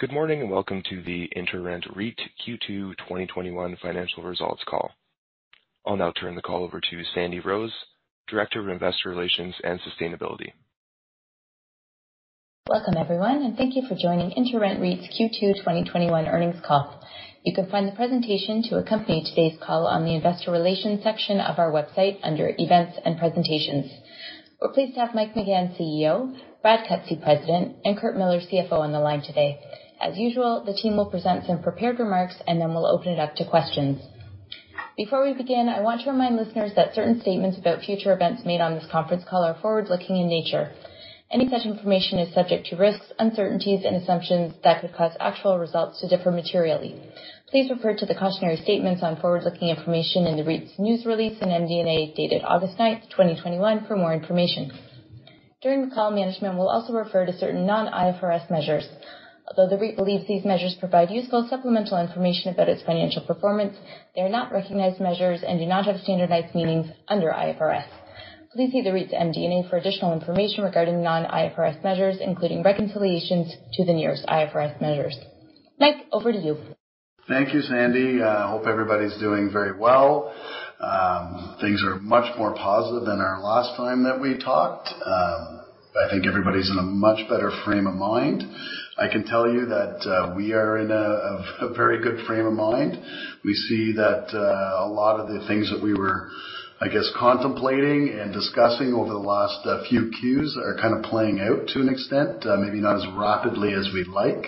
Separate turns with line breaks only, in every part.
Good morning, and welcome to the InterRent REIT Q2 2021 financial results call. I'll now turn the call over to Sandy Rose, Director of Investor Relations and Sustainability.
Welcome, everyone, and thank you for joining InterRent REIT's Q2 2021 earnings call. You can find the presentation to accompany today's call on the Investor Relations section of our website under Events and Presentations. We're pleased to have Mike McGahan, CEO, Brad Cutsey, President, and Curt Millar, CFO, on the line today. As usual, the team will present some prepared remarks, and then we'll open it up to questions. Before we begin, I want to remind listeners that certain statements about future events made on this conference call are forward-looking in nature. Any such information is subject to risks, uncertainties, and assumptions that could cause actual results to differ materially. Please refer to the cautionary statements on forward-looking information in the REIT's news release and MD&A dated August ninth, 2021, for more information. During the call, management will also refer to certain non-IFRS measures. Although the REIT believes these measures provide useful supplemental information about its financial performance, they are not recognized measures and do not have standardized meanings under IFRS. Please see the REIT's MD&A for additional information regarding non-IFRS measures, including reconciliations to the nearest IFRS measures. Mike, over to you.
Thank you, Sandy. I hope everybody's doing very well. Things are much more positive than our last time that we talked. I think everybody's in a much better frame of mind. I can tell you that we are in a very good frame of mind. We see that a lot of the things that we were, I guess, contemplating and discussing over the last few Qs are kind of playing out to an extent, maybe not as rapidly as we'd like.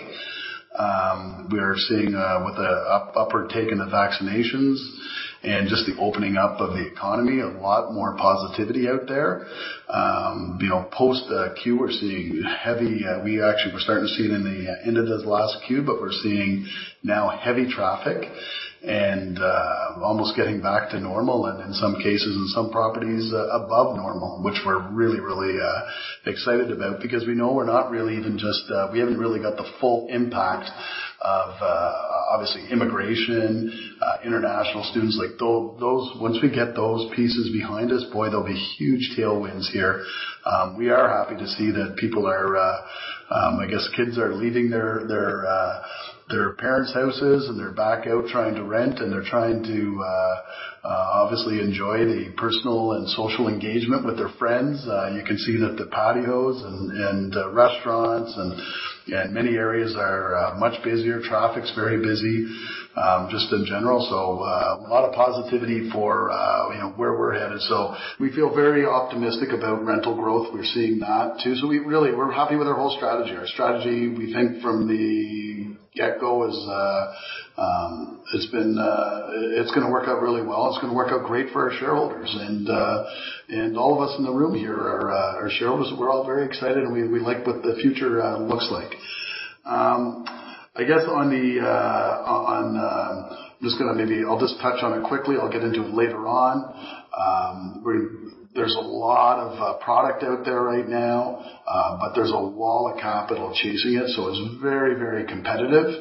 We are seeing with the uptake of vaccinations and just the opening up of the economy, a lot more positivity out there. Post Q, we actually were starting to see it in the end of this last Q, we're seeing now heavy traffic and almost getting back to normal, and in some cases, in some properties, above normal, which we're really excited about because we know we haven't really got the full impact of obviously immigration, international students. Once we get those pieces behind us, boy, there'll be huge tailwinds here. We are happy to see that people are, I guess, kids are leaving their parents' houses, and they're back out trying to rent, and they're trying to obviously enjoy the personal and social engagement with their friends. You can see that the patios and restaurants and many areas are much busier. Traffic's very busy, just in general. A lot of positivity for where we're headed. We feel very optimistic about rental growth. We're seeing that too. We're happy with our whole strategy. Our strategy, we think from the get-go it's going to work out really well. It's going to work out great for our shareholders and all of us in the room here are shareholders, and we're all very excited, and we like what the future looks like. I guess I'll just touch on it quickly. I'll get into it later on where there's a lot of product out there right now, but there's a wall of capital chasing it, so it's very competitive.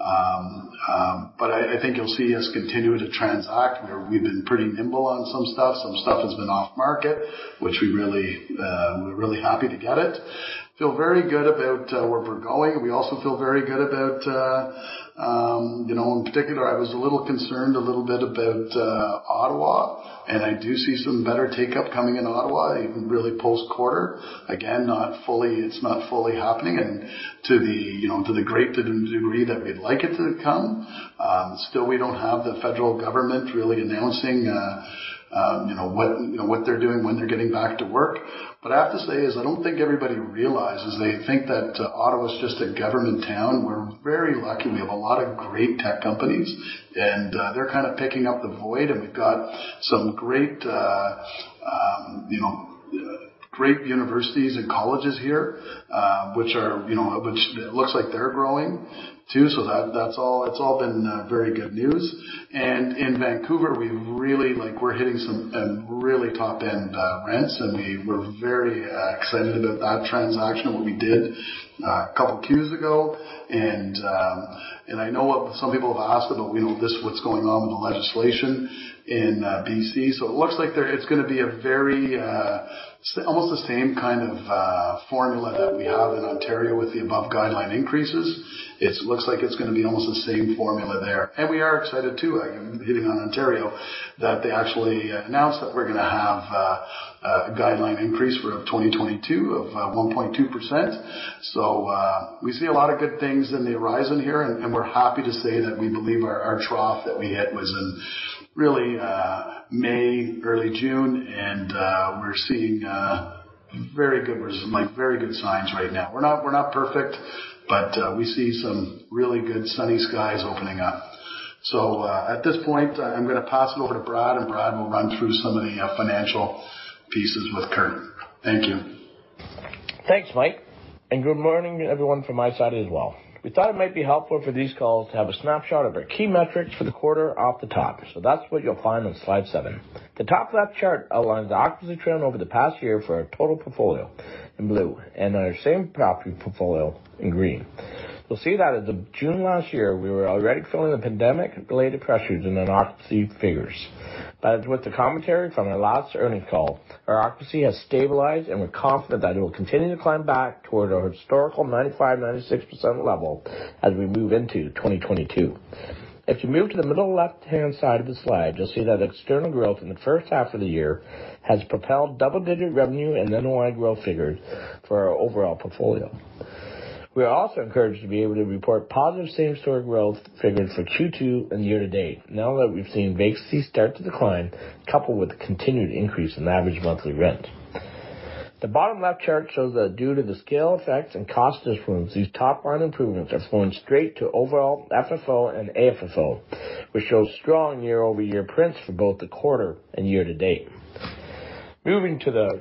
I think you'll see us continue to transact where we've been pretty nimble on some stuff. Some stuff has been off-market, which we're really happy to get it. Feel very good about where we're going. We also feel very good about, in particular, I was a little concerned a little bit about Ottawa, and I do see some better take-up coming in Ottawa, really post-quarter. Again, it's not fully happening and to the great degree that we'd like it to come. Still, we don't have the federal government really announcing what they're doing when they're getting back to work. What I have to say is I don't think everybody realizes they think that Ottawa is just a government town. We're very lucky. We have a lot of great tech companies, and they're kind of picking up the void, and we've got some great universities and colleges here, which it looks like they're growing too. It's all been very good news. In Vancouver, we're hitting some really top-end rents, and we were very excited about that transaction, what we did a couple of Qs ago. I know some people have asked about this, what's going on with the legislation in BC. It looks like it's going to be almost the same kind of formula that we have in Ontario with the above-guideline increases. It looks like it's going to be almost the same formula there. We are excited, too, hitting on Ontario, that they actually announced that we're going to have a guideline increase for 2022 of 1.2%. We see a lot of good things in the horizon here, and we're happy to say that we believe our trough that we hit was in really May, early June, and we're seeing very good signs right now. We're not perfect, but we see some really good sunny skies opening up. At this point, I'm going to pass it over to Brad, and Brad will run through some of the financial pieces with Curt. Thank you.
Thanks, Mike. Good morning, everyone from my side as well. We thought it might be helpful for these calls to have a snapshot of our key metrics for the quarter off the top. That's what you'll find on slide seven. The top-left chart outlines the occupancy trend over the past year for our total portfolio in blue and on our same-property portfolio in green. You'll see that as of June last year, we were already feeling the pandemic-related pressures in our occupancy figures. As with the commentary from our last earnings call, our occupancy has stabilized, and we're confident that it will continue to climb back toward our historical 95%, 96% level as we move into 2022. If you move to the middle left-hand side of the slide, you'll see that external growth in the first half of the year has propelled double-digit revenue and NOI growth figures for our overall portfolio. We are also encouraged to be able to report positive same-store growth figures for Q2 and year-to-date now that we've seen vacancy start to decline, coupled with the continued increase in average monthly rent. The bottom left chart shows that due to the scale effects and cost disciplines, these top-line improvements are flowing straight to overall FFO and AFFO. We show strong year-over-year prints for both the quarter and year-to-date. Moving to the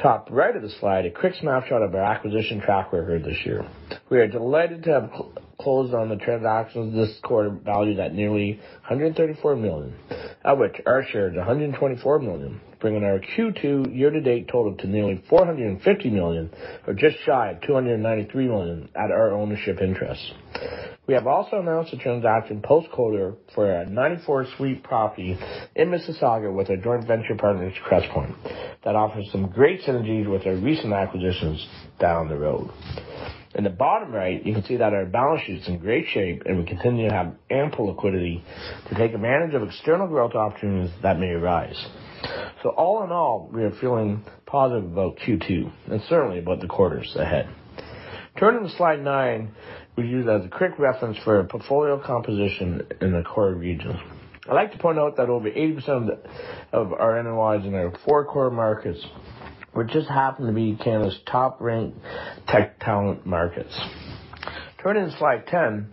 top right of the slide, a quick snapshot of our acquisition track record this year. We are delighted to have closed on the transactions this quarter valued at nearly 134 million, of which our share is 124 million, bringing our Q2 year-to-date total to nearly 450 million, or just shy of 293 million at our ownership interest. We have also announced a transaction post-quarter for a 94-suite property in Mississauga with our joint venture partners, Crestpoint. Offers some great synergies with our recent acquisitions down the road. In the bottom right, you can see that our balance sheet is in great shape, and we continue to have ample liquidity to take advantage of external growth opportunities that may arise. All in all, we are feeling positive about Q2 and certainly about the quarters ahead. Turning to slide 9, we use as a quick reference for our portfolio composition in the core regions. I'd like to point out that over 80% of our NOIs in our four core markets, which just happen to be Canada's top-ranked tech talent markets. Turning to slide 10,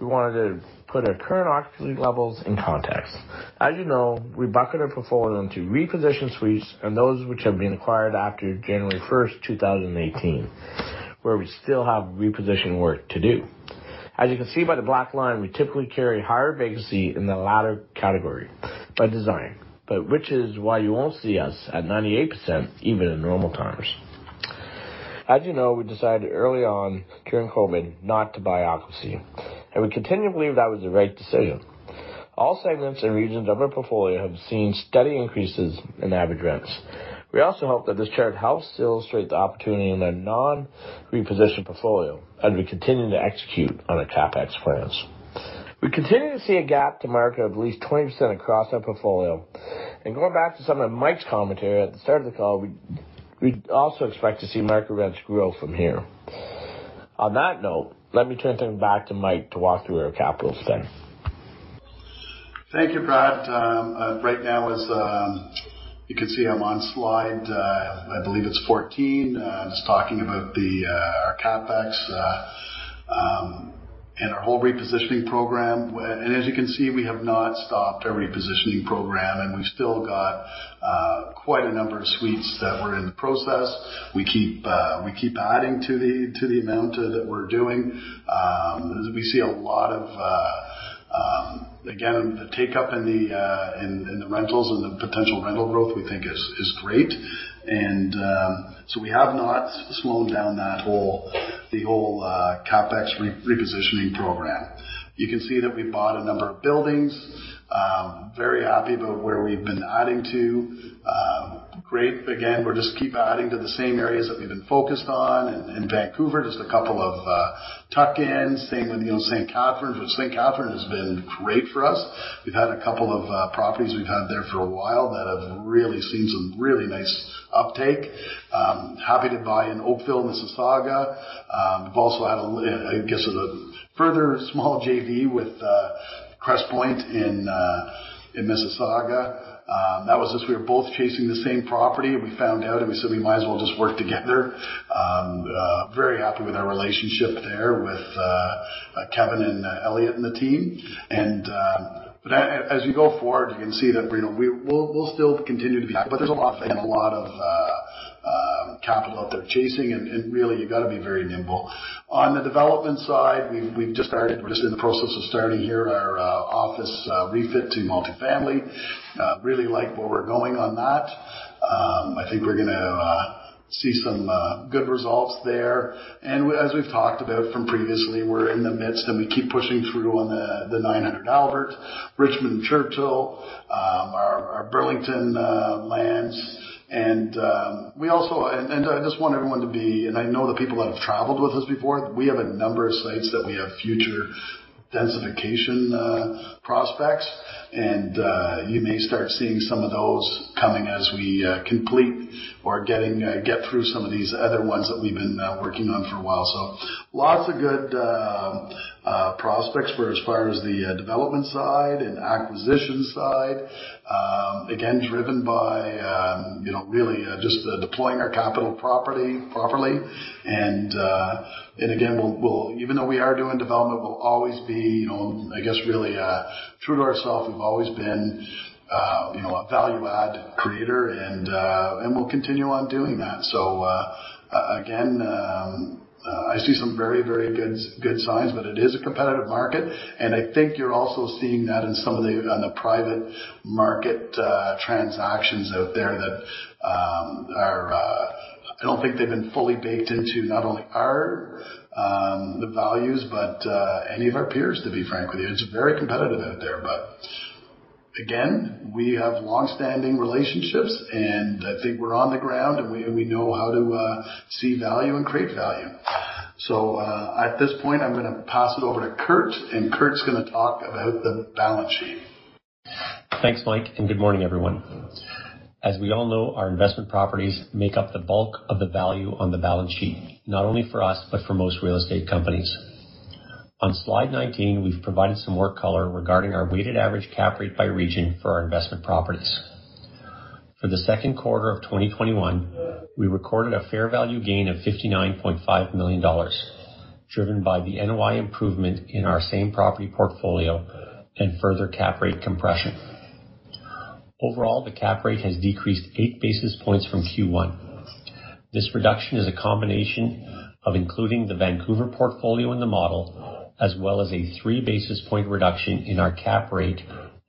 we wanted to put our current occupancy levels in context. As you know, we bucket our portfolio into repositioned suites and those which have been acquired after January 1, 2018, where we still have reposition work to do. As you can see by the black line, we typically carry higher vacancy in the latter category by design, but which is why you won't see us at 98%, even in normal times. As you know, we decided early on during COVID not to buy occupancy, and we continue to believe that was the right decision. All segments and regions of our portfolio have seen steady increases in average rents. We also hope that this chart helps illustrate the opportunity in a non-repositioned portfolio as we continue to execute on our CapEx plans. We continue to see a gap to market of at least 20% across our portfolio. Going back to some of Mike's commentary at the start of the call, we also expect to see market rents grow from here. On that note, let me turn things back to Mike to walk through our capital spend.
Thank you, Brad. As you can see, I’m on slide, I believe it’s 14. I was talking about our CapEx and our whole repositioning program. As you can see, we have not stopped our repositioning program, and we still got quite a number of suites that were in the process. We keep adding to the amount that we’re doing, as we see a lot of, again, the take-up in the rentals and the potential rental growth we think is great. We have not slowed down the whole CapEx repositioning program. You can see that we bought a number of buildings. Very happy about where we’ve been adding to. Great. We’ll just keep adding to the same areas that we’ve been focused on in Vancouver. Just a couple of tuck-ins, same with St. Catharines. St. Catharines has been great for us. We've had a couple of properties we've had there for a while that have really seen some really nice uptake. Happy to buy in Oakville, Mississauga. We've also had, I guess, a further small JV with Crestpoint in Mississauga. That was just we were both chasing the same-property, and we found out and we said we might as well just work together. Very happy with our relationship there with Kevin and Elliot and the team. As you go forward, you can see that we'll still continue to be active, but there's a lot of capital out there chasing, and really, you got to be very nimble. On the development side, we've just started. We're just in the process of starting here our office refit to multifamily. Really like where we're going on that. I think we're going to see some good results there. As we've talked about from previously, we're in the midst, and we keep pushing through on the 900 Albert, Richmond and Churchill, our Burlington lands. I just want everyone to be, and I know the people that have traveled with us before, we have a number of sites that we have future densification prospects, and you may start seeing some of those coming as we complete or get through some of these other ones that we've been working on for a while. Lots of good prospects for as far as the development side and acquisition side, again, driven by really just deploying our capital properly. Again, even though we are doing development, we'll always be, I guess really, true to ourselves. We've always been a value-add creator, and we'll continue on doing that. Again, I see some very good signs, but it is a competitive market, and I think you're also seeing that on the private market transactions out there that I don't think they've been fully baked into not only our values, but any of our peers, to be frank with you. It's very competitive out there, but again, we have longstanding relationships, and I think we're on the ground and we know how to see value and create value. At this point, I'm going to pass it over to Curt, and Curt's going to talk about the balance sheet.
Thanks, Mike, and good morning, everyone. As we all know, our investment properties make up the bulk of the value on the balance sheet, not only for us but for most real estate companies. On slide 19, we've provided some more color regarding our weighted average cap rate by region for our investment properties. For the second quarter of 2021, we recorded a fair value gain of 59.5 million dollars, driven by the NOI improvement in our same-property portfolio and further cap rate compression. Overall, the cap rate has decreased eight basis points from Q1. This reduction is a combination of including the Vancouver portfolio in the model, as well as a three basis point reduction in our cap rate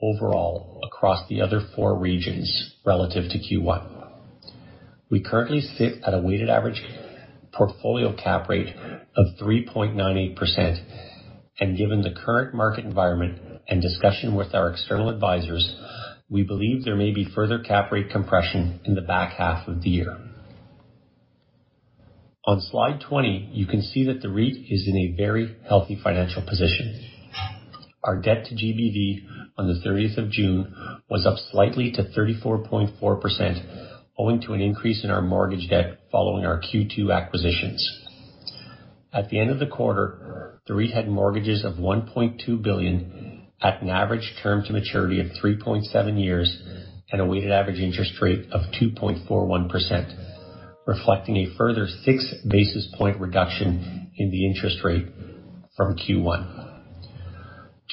overall across the other four regions relative to Q1. We currently sit at a weighted average portfolio cap rate of 3.98%. Given the current market environment and discussion with our external advisors, we believe there may be further cap rate compression in the back half of the year. On slide 20, you can see that the REIT is in a very healthy financial position. Our debt to GBV on the 30th of June was up slightly to 34.4%, owing to an increase in our mortgage debt following our Q2 acquisitions. At the end of the quarter, the REIT had mortgages of 1.2 billion at an average term to maturity of 3.7 years and a weighted average interest rate of 2.41%, reflecting a further 6 basis point reduction in the interest rate from Q1.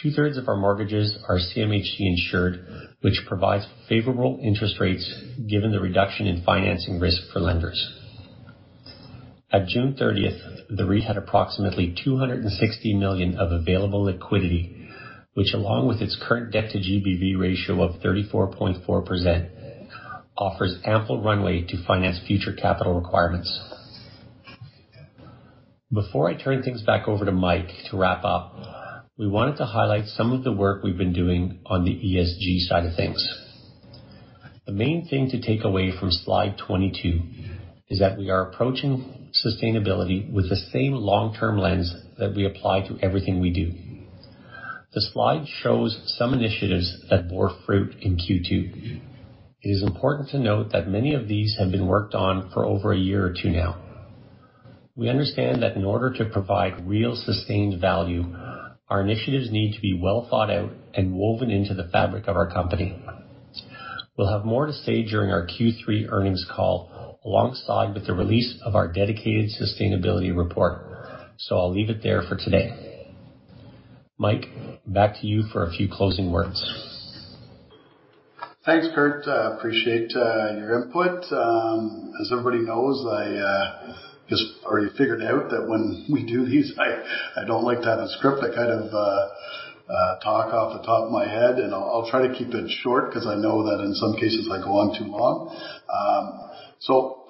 Two-thirds of our mortgages are CMHC insured, which provides favorable interest rates given the reduction in financing risk for lenders. At June 30th, the REIT had approximately 260 million of available liquidity, which along with its current debt to GBV ratio of 34.4%, offers ample runway to finance future capital requirements. Before I turn things back over to Mike to wrap up, we wanted to highlight some of the work we've been doing on the ESG side of things. The main thing to take away from slide 22 is that we are approaching sustainability with the same long-term lens that we apply to everything we do. The slide shows some initiatives that bore fruit in Q2. It is important to note that many of these have been worked on for over a year or two now. We understand that in order to provide real sustained value, our initiatives need to be well thought out and woven into the fabric of our company. We'll have more to say during our Q3 earnings call, alongside with the release of our dedicated sustainability report. I'll leave it there for today. Mike, back to you for a few closing words.
Thanks, Curt. Appreciate your input. As everybody knows, I guess already figured out that when we do these, I don't like to have a script. I kind of talk off the top of my head, and I'll try to keep it short because I know that in some cases I go on too long.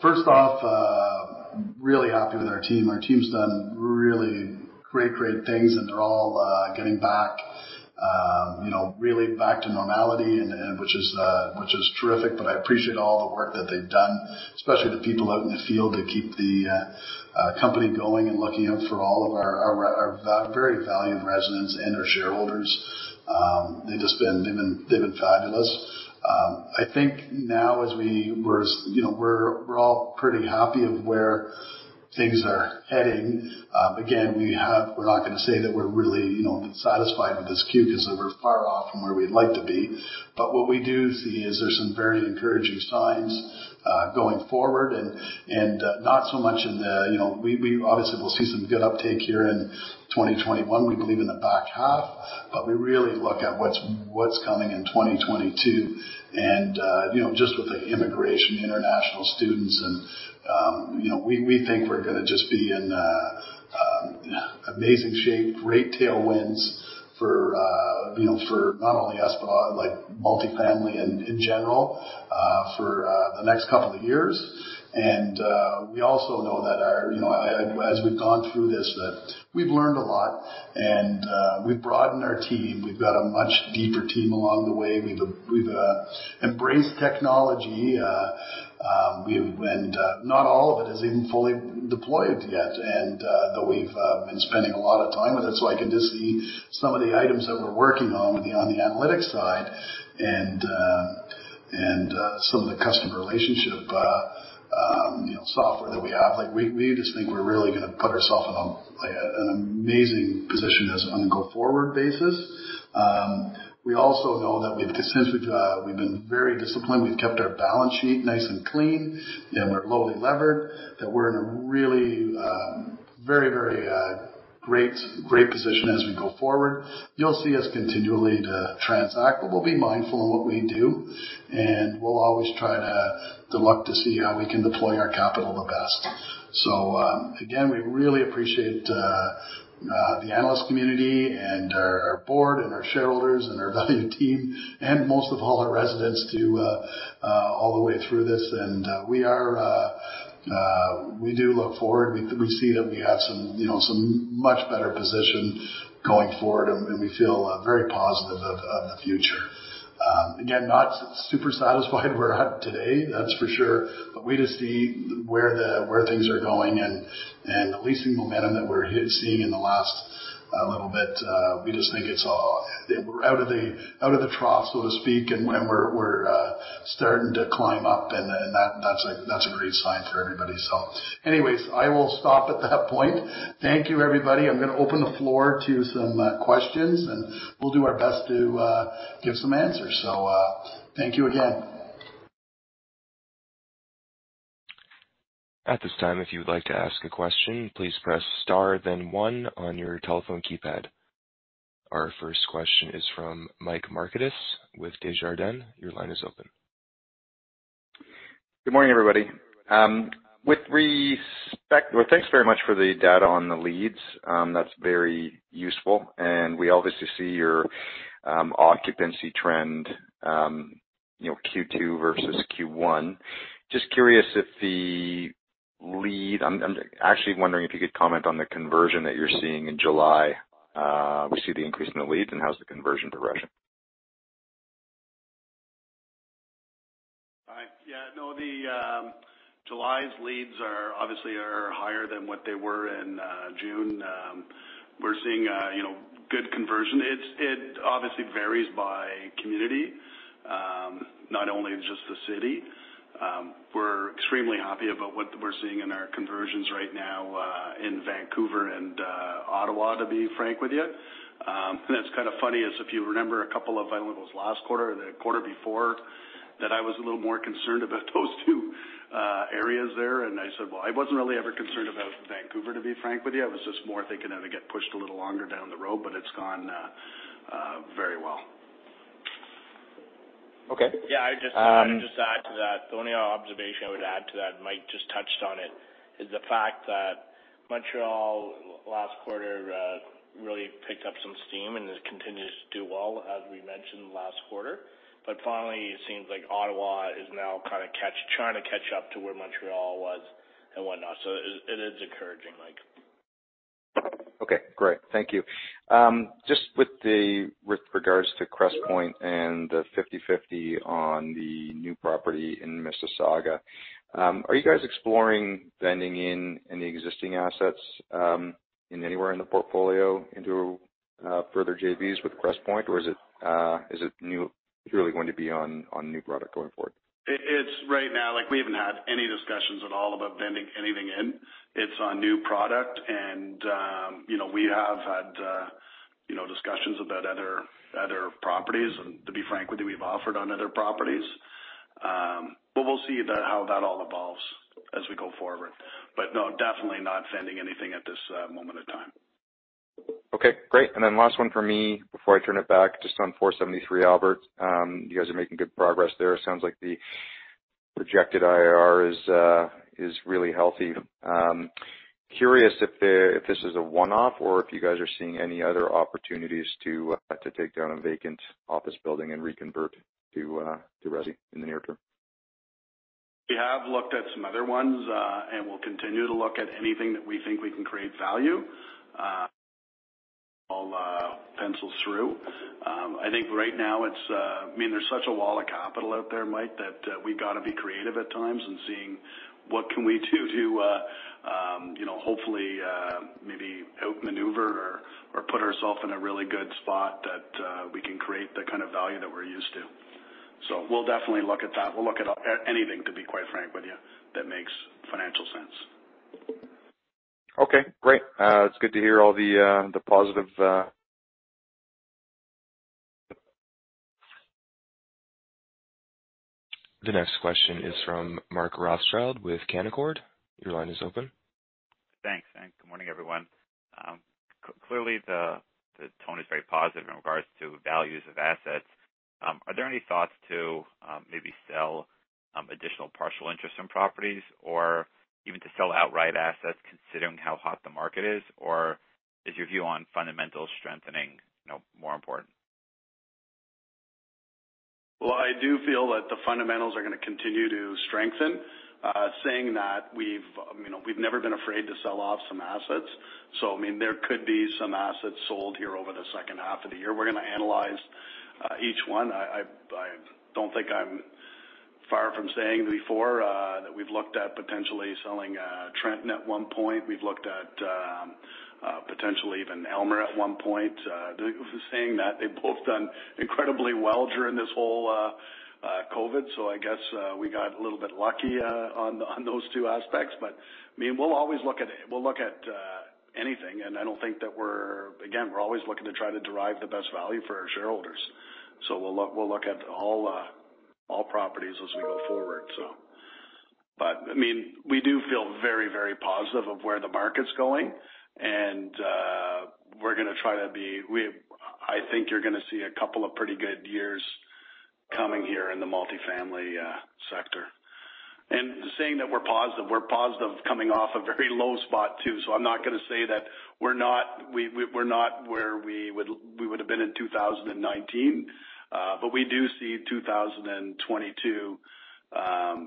First off, really happy with our team. Our team's done really great things, and they're all getting back to normality, which is terrific. I appreciate all the work that they've done, especially the people out in the field that keep the company going and looking out for all of our very valued residents and our shareholders. They've been fabulous. I think now, as we're all pretty happy of where things are heading. We're not going to say that we're really satisfied with this Q because we're far off from where we'd like to be. What we do see is there's some very encouraging signs going forward. We obviously will see some good uptake here in 2021, we believe in the back half, but we really look at what's coming in 2022. Just with the immigration, international students and we think we're going to just be in amazing shape, great tailwinds for not only us, but like multifamily in general for the next couple of years. We also know that as we've gone through this, that we've learned a lot and we've broadened our team. We've got a much deeper team along the way. We've embraced technology, and not all of it is even fully deployed yet, and that we've been spending a lot of time with it. I can just see some of the items that we're working on the analytics side and some of the customer relationship software that we have. We just think we're really going to put ourselves in an amazing position as on a go-forward basis. We also know that we've been very disciplined. We've kept our balance sheet nice and clean, and we're lowly levered, that we're in a really very great position as we go forward. You'll see us continually to transact, but we'll be mindful in what we do, and we'll always try to look to see how we can deploy our capital the best. Again, we really appreciate the analyst community and our Board and our shareholders and our valued team and most all, our residents through all the way through this. We do look forward. We see that we have some much better position going forward, and we feel very positive of the future. Again, not super satisfied where we're at today, that's for sure. We just see where things are going and the leasing momentum that we're seeing in the last little bit, we just think we're out of the trough, so to speak, and we're starting to climb up, and that's a great sign for everybody. Anyways, I will stop at that point. Thank you, everybody. I'm going to open the floor to some questions, and we'll do our best to give some answers. Thank you again.
At this time, if you would like to ask a question, please press star then one on your telephone keypad. Our first question is from Mike Markidis with Desjardins. Your line is open.
Good morning, everybody. Thanks very much for the data on the leads. That's very useful. We obviously see your occupancy trend, Q2 versus Q1. I'm actually wondering if you could comment on the conversion that you're seeing in July. We see the increase in the leads, and how's the conversion direction?
Yeah. No, July's leads are obviously higher than what they were in June. We're seeing good conversion. It obviously varies by community. Not only just the city. We're extremely happy about what we're seeing in our conversions right now, in Vancouver and Ottawa, to be frank with you. It's kind of funny, as if you remember a couple of, I don't know if it was last quarter or the quarter before, that I was a little more concerned about those two areas there, and I said Well, I wasn't really ever concerned about Vancouver, to be frank with you. I was just more thinking that it'd get pushed a little longer down the road, but it's gone very well.
Okay.
Yeah. I'd just add to that. The only observation I would add to that, Mike just touched on it, is the fact that Montreal last quarter really picked up some steam and it continues to do well, as we mentioned last quarter. Finally, it seems like Ottawa is now trying to catch up to where Montreal was and whatnot. It is encouraging, Mike.
Okay, great. Thank you. Just with regards to Crestpoint and the 50/50 on the new property in Mississauga, are you guys exploring vending in any existing assets in anywhere in the portfolio into further JVs with Crestpoint, or is it purely going to be on new product going forward?
Right now, we haven't had any discussions at all about vending anything in. It's on new product, and we have had discussions about other properties and to be frank with you, we've offered on other properties. We'll see how that all evolves as we go forward. No, definitely not vending anything at this moment in time.
Okay, great. Last one from me before I turn it back just on 473 Albert. You guys are making good progress there. Sounds like the projected IRR is really healthy. Curious if this is a one-off or if you guys are seeing any other opportunities to take down a vacant office building and reconvert to resi in the near term.
We have looked at some other ones, and we'll continue to look at anything that we think we can create value. All pencils through. I think right now, there's such a wall of capital out there, Mike, that we've got to be creative at times and seeing what can we do to hopefully maybe outmaneuver or put ourself in a really good spot that we can create the kind of value that we're used to. We'll definitely look at that. We'll look at anything, to be quite frank with you, that makes financial sense.
Okay, great. It's good to hear all the positive.
The next question is from Mark Rothschild with Canaccord. Your line is open.
Thanks, good morning, everyone. Clearly, the tone is very positive in regards to values of assets. Are there any thoughts to maybe sell additional partial interest in properties or even to sell outright assets considering how hot the market is? Is your view on fundamental strengthening more important?
Well, I do feel that the fundamentals are going to continue to strengthen. Saying that, we've never been afraid to sell off some assets. There could be some assets sold here over the second half of the year. We're going to analyze each one. I don't think I'm far from saying before that we've looked at potentially selling Trenton at one point. We've looked at potentially even Aylmer at one point. Saying that they've both done incredibly well during this whole COVID, I guess we got a little bit lucky on those two aspects. We'll look at anything. Again, we're always looking to try to derive the best value for our shareholders. We'll look at all properties as we go forward, so. We do feel very, very positive of where the market's going, and I think you're going to see a couple of pretty good years coming here in the multifamily sector. Saying that we're positive, we're positive coming off a very low spot, too. I'm not going to say that we're not where we would have been in 2019. We do see 2022, I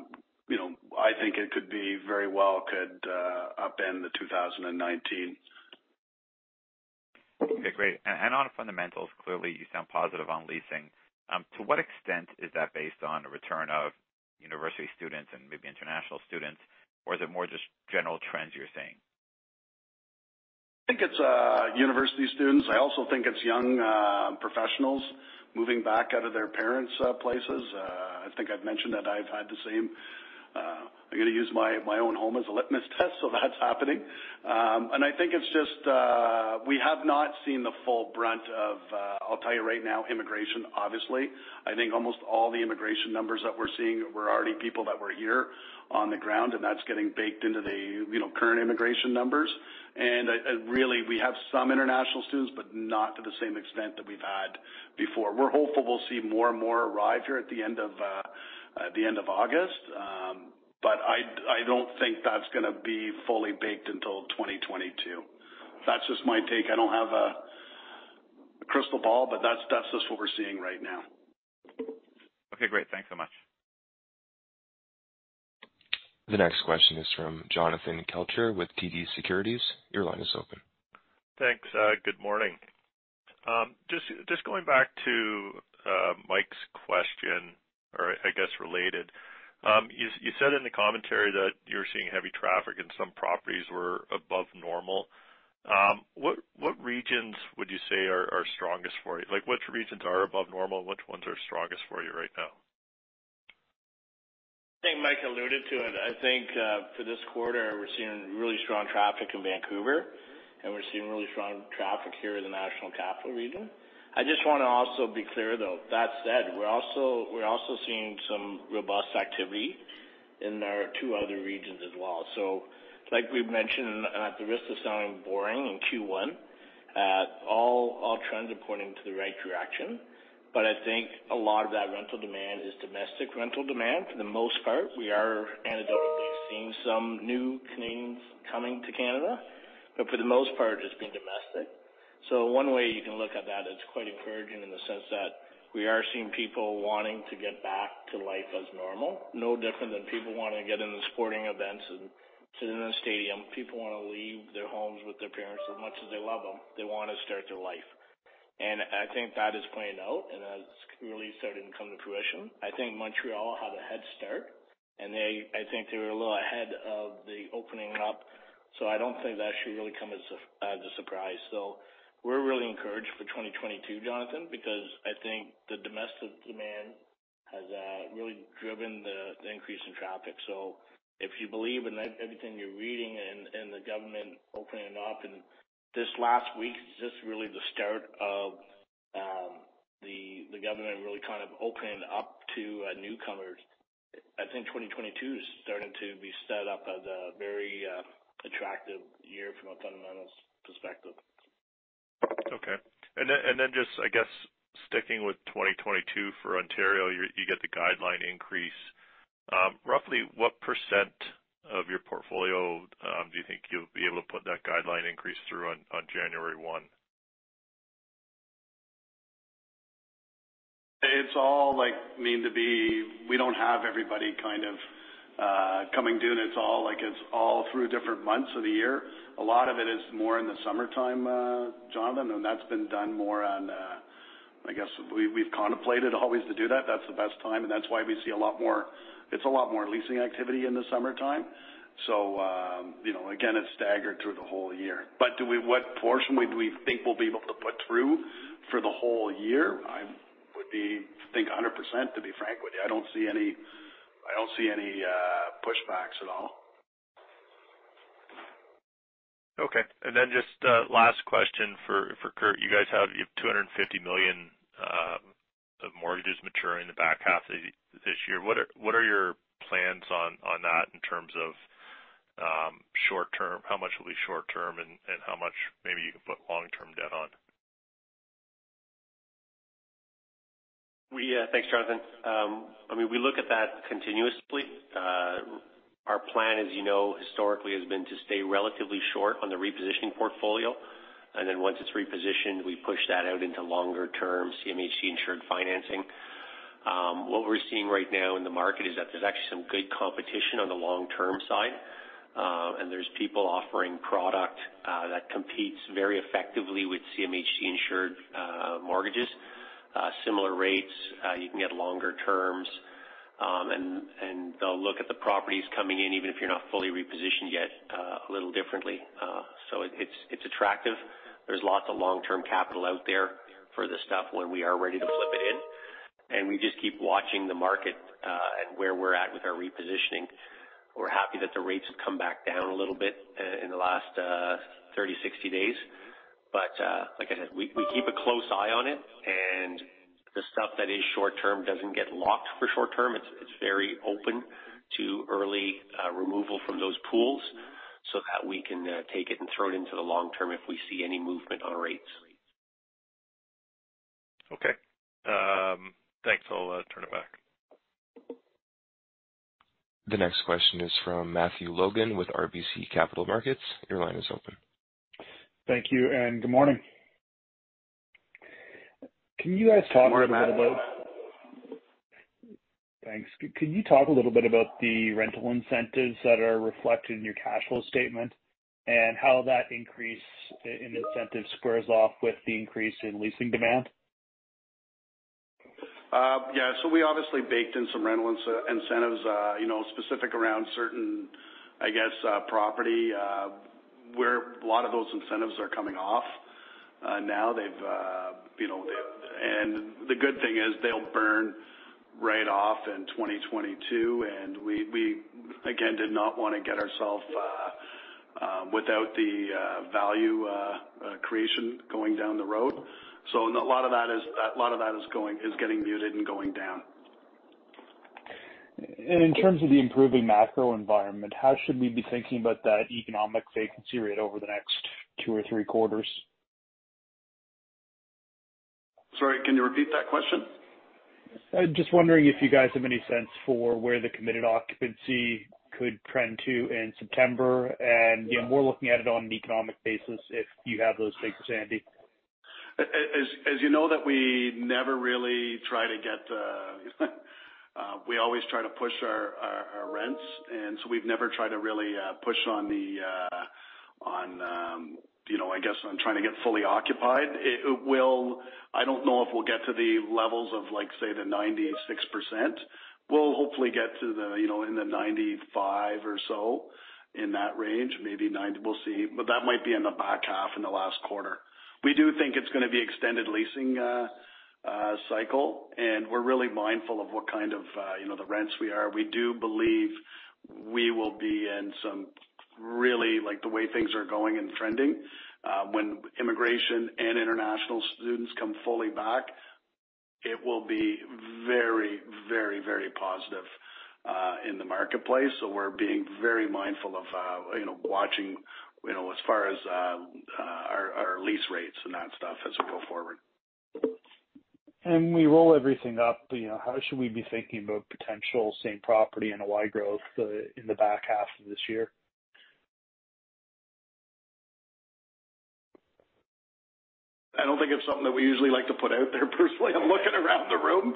think it could very well upend the 2019.
Okay, great. On fundamentals, clearly you sound positive on leasing. To what extent is that based on the return of university students and maybe international students? Or is it more just general trends you're seeing?
I think it's university students. I also think it's young professionals moving back out of their parents' places. I think I've mentioned that I've had the same. I'm going to use my own home as a litmus test. That's happening. I think it's just, we have not seen the full brunt of, I'll tell you right now, immigration, obviously. I think almost all the immigration numbers that we're seeing were already people that were here on the ground, and that's getting baked into the current immigration numbers. Really, we have some international students, but not to the same extent that we've had before. We're hopeful we'll see more and more arrive here at the end of August. I don't think that's going to be fully baked until 2022. That's just my take. I don't have a crystal ball, but that's just what we're seeing right now.
Okay, great. Thanks so much.
The next question is from Jonathan Kelcher with TD Securities. Your line is open.
Thanks. Good morning. Just going back to Mike's question, I guess related. You said in the commentary that you're seeing heavy traffic and some properties were above normal. What regions would you say are strongest for you? Which regions are above normal, and which ones are strongest for you right now?
I think Mike alluded to it. I think for this quarter, we're seeing really strong traffic in Vancouver, and we're seeing really strong traffic here in the National Capital Region. I just want to also be clear, though. That said, we're also seeing some robust activity in our two other regions as well. Like we've mentioned, at the risk of sounding boring, in Q1, all trends are pointing to the right direction. I think a lot of that rental demand is domestic rental demand. For the most part, we are anecdotally seeing some new Canadians coming to Canada. For the most part, it's been domestic. One way you can look at that, it's quite encouraging in the sense that we are seeing people wanting to get back to life as normal, no different than people wanting to get into sporting events and sit in a stadium.
People want to leave their homes with their parents. As much as they love them, they want to start their life. I think that is playing out, and that's really starting to come to fruition. I think Montreal had a head start, and I think they were a little ahead of the opening up. I don't think that should really come as a surprise. We're really encouraged for 2022, Jonathan, because I think the domestic demand has really driven the increase in traffic. If you believe in everything you're reading and the government opening it up in this last week, is just really the start of the government really kind of opening up to newcomers. I think 2022 is starting to be set up as a very attractive year from a fundamentals perspective.
Okay. Just, I guess sticking with 2022 for Ontario, you get the guideline increase. Roughly what % of your portfolio do you think you'll be able to put that guideline increase through on January one?
We don't have everybody kind of coming due, and it's all through different months of the year. A lot of it is more in the summertime, Jonathan, and that's been done more on, I guess we've contemplated always to do that. That's the best time, and that's why we see a lot more leasing activity in the summertime. Again, it's staggered through the whole year. What portion do we think we'll be able to put through for the whole year? I would think 100%, to be frank with you. I don't see any pushbacks at all.
Okay. Just last question for Curt. You guys have 250 million of mortgages maturing in the back half of this year. What are your plans on that in terms of short-term? How much will be short-term, and how much maybe you can put long-term debt on?
Thanks, Jonathan. We look at that continuously. Our plan, as you know, historically, has been to stay relatively short on the repositioning portfolio. Once it's repositioned, we push that out into longer-term CMHC-insured financing. What we're seeing right now in the market is that there's actually some good competition on the long-term side. There's people offering product that competes very effectively with CMHC-insured mortgages. Similar rates. You can get longer terms. They'll look at the properties coming in, even if you're not fully repositioned yet, a little differently. It's attractive. There's lots of long-term capital out there for the stuff when we are ready to flip it in, and we just keep watching the market, and where we're at with our repositioning. We're happy that the rates have come back down a little bit in the last 30, 60 days. Like I said, we keep a close eye on it, and the stuff that is short-term doesn't get locked for short-term. It's very open to early removal from those pools so that we can take it and throw it into the long term if we see any movement on rates.
Okay. Thanks. I'll turn it back.
The next question is from Matt Logan with RBC Capital Markets. Your line is open.
Thank you, and good morning. Can you guys talk a little bit about.
Morning, Matt.
Thanks. Could you talk a little bit about the rental incentives that are reflected in your cash flow statement, and how that increase in incentive squares off with the increase in leasing demand?
Yeah. We obviously baked in some rental incentives specific around certain property where a lot of those incentives are coming off now. The good thing is they'll burn right off in 2022. We, again, did not want to get ourself without the value creation going down the road. A lot of that is getting muted and going down.
In terms of the improving macro environment, how should we be thinking about that economic vacancy rate over the next two or three quarters?
Sorry, can you repeat that question?
Just wondering if you guys have any sense for where the committed occupancy could trend to in September, and more looking at it on an economic basis, if you have those figures handy?
You know that we never really try to push our rents. We've never tried to really push on trying to get fully occupied. I don't know if we'll get to the levels of, say, the 96%. We'll hopefully get in the 95 or so, in that range. Maybe 90%, we'll see. That might be in the back half, in the last quarter. We do think it's going to be extended leasing cycle, and we're really mindful of what kind of the rents we are. We do believe we will be in some really, the way things are going and trending, when immigration and international students come fully back, it will be very positive in the marketplace. We're being very mindful of watching as far as our lease rates and that stuff as we go forward.
We roll everything up, how should we be thinking about potential same-property NOI growth in the back half of this year?
I don't think it's something that we usually like to put out there, personally. I'm looking around the room.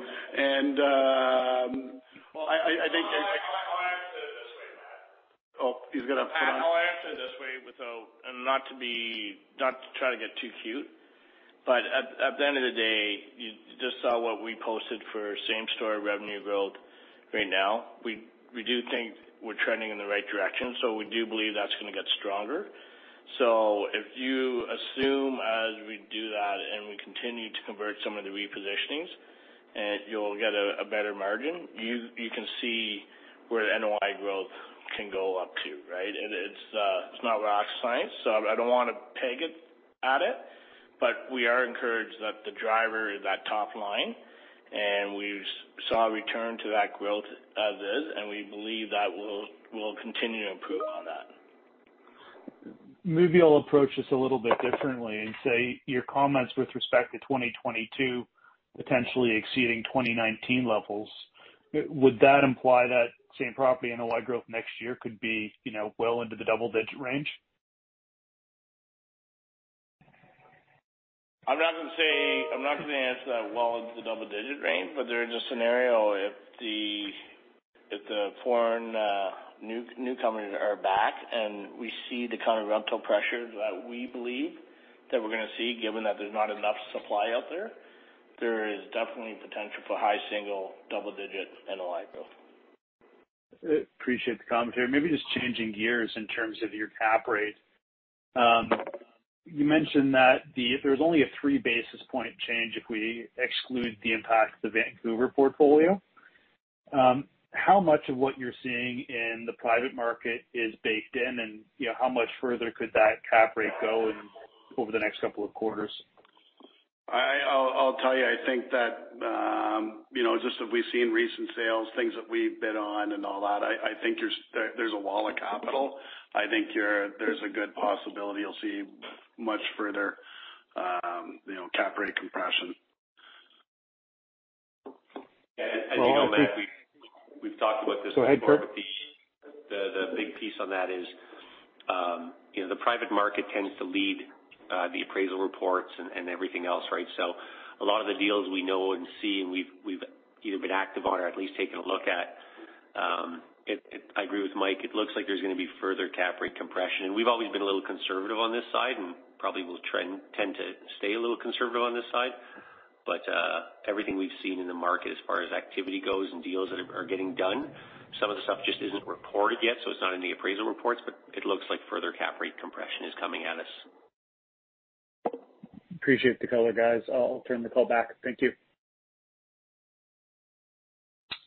Well, I'll answer it this way, Matt.
Oh, he's going to put on-
I'll answer it this way and not to try to get too cute. At the end of the day, you just saw what we posted for same-store revenue growth right now. We do think we're trending in the right direction, so we do believe that's going to get stronger. If you assume as we do that, and we continue to convert some of the repositionings, you'll get a better margin. You can see where NOI growth can go up to, right? It's not rocket science, so I don't want to peg it at it, but we are encouraged that the driver is that top-line, and we saw a return to that growth as is, and we believe that we'll continue to improve on that.
Maybe I'll approach this a little bit differently and say, your comments with respect to 2022 potentially exceeding 2019 levels, would that imply that same-property NOI growth next year could be well into the double-digit range?
I'm not going to answer that well into the double-digit range, but there is a scenario if the foreign newcomers are back and we see the kind of rental pressure that we believe that we're going to see, given that there's not enough supply out there is definitely potential for high-single, double-digit NOI growth.
Appreciate the commentary. Maybe just changing gears in terms of your cap rate. You mentioned that there's only a 3 basis point change if we exclude the impact of the Vancouver portfolio. How much of what you're seeing in the private market is baked in, and how much further could that cap rate go over the next couple of quarters?
I'll tell you, I think that, just what we see in recent sales, things that we've bid on and all that, I think there's a wall of capital. I think there's a good possibility you'll see much further cap rate compression.
As you know, Matt, we've talked about this before.
Go ahead, Curt
The big piece on that is the private market tends to lead the appraisal reports and everything else, right? A lot of the deals we know and see and we've either been active on or at least taken a look at, I agree with Mike. It looks like there's going to be further cap rate compression. We've always been a little conservative on this side, and probably will tend to stay a little conservative on this side. Everything we've seen in the market as far as activity goes and deals that are getting done, some of the stuff just isn't reported yet, so it's not in the appraisal reports, but it looks like further cap rate compression is coming at us.
Appreciate the color, guys. I'll turn the call back. Thank you.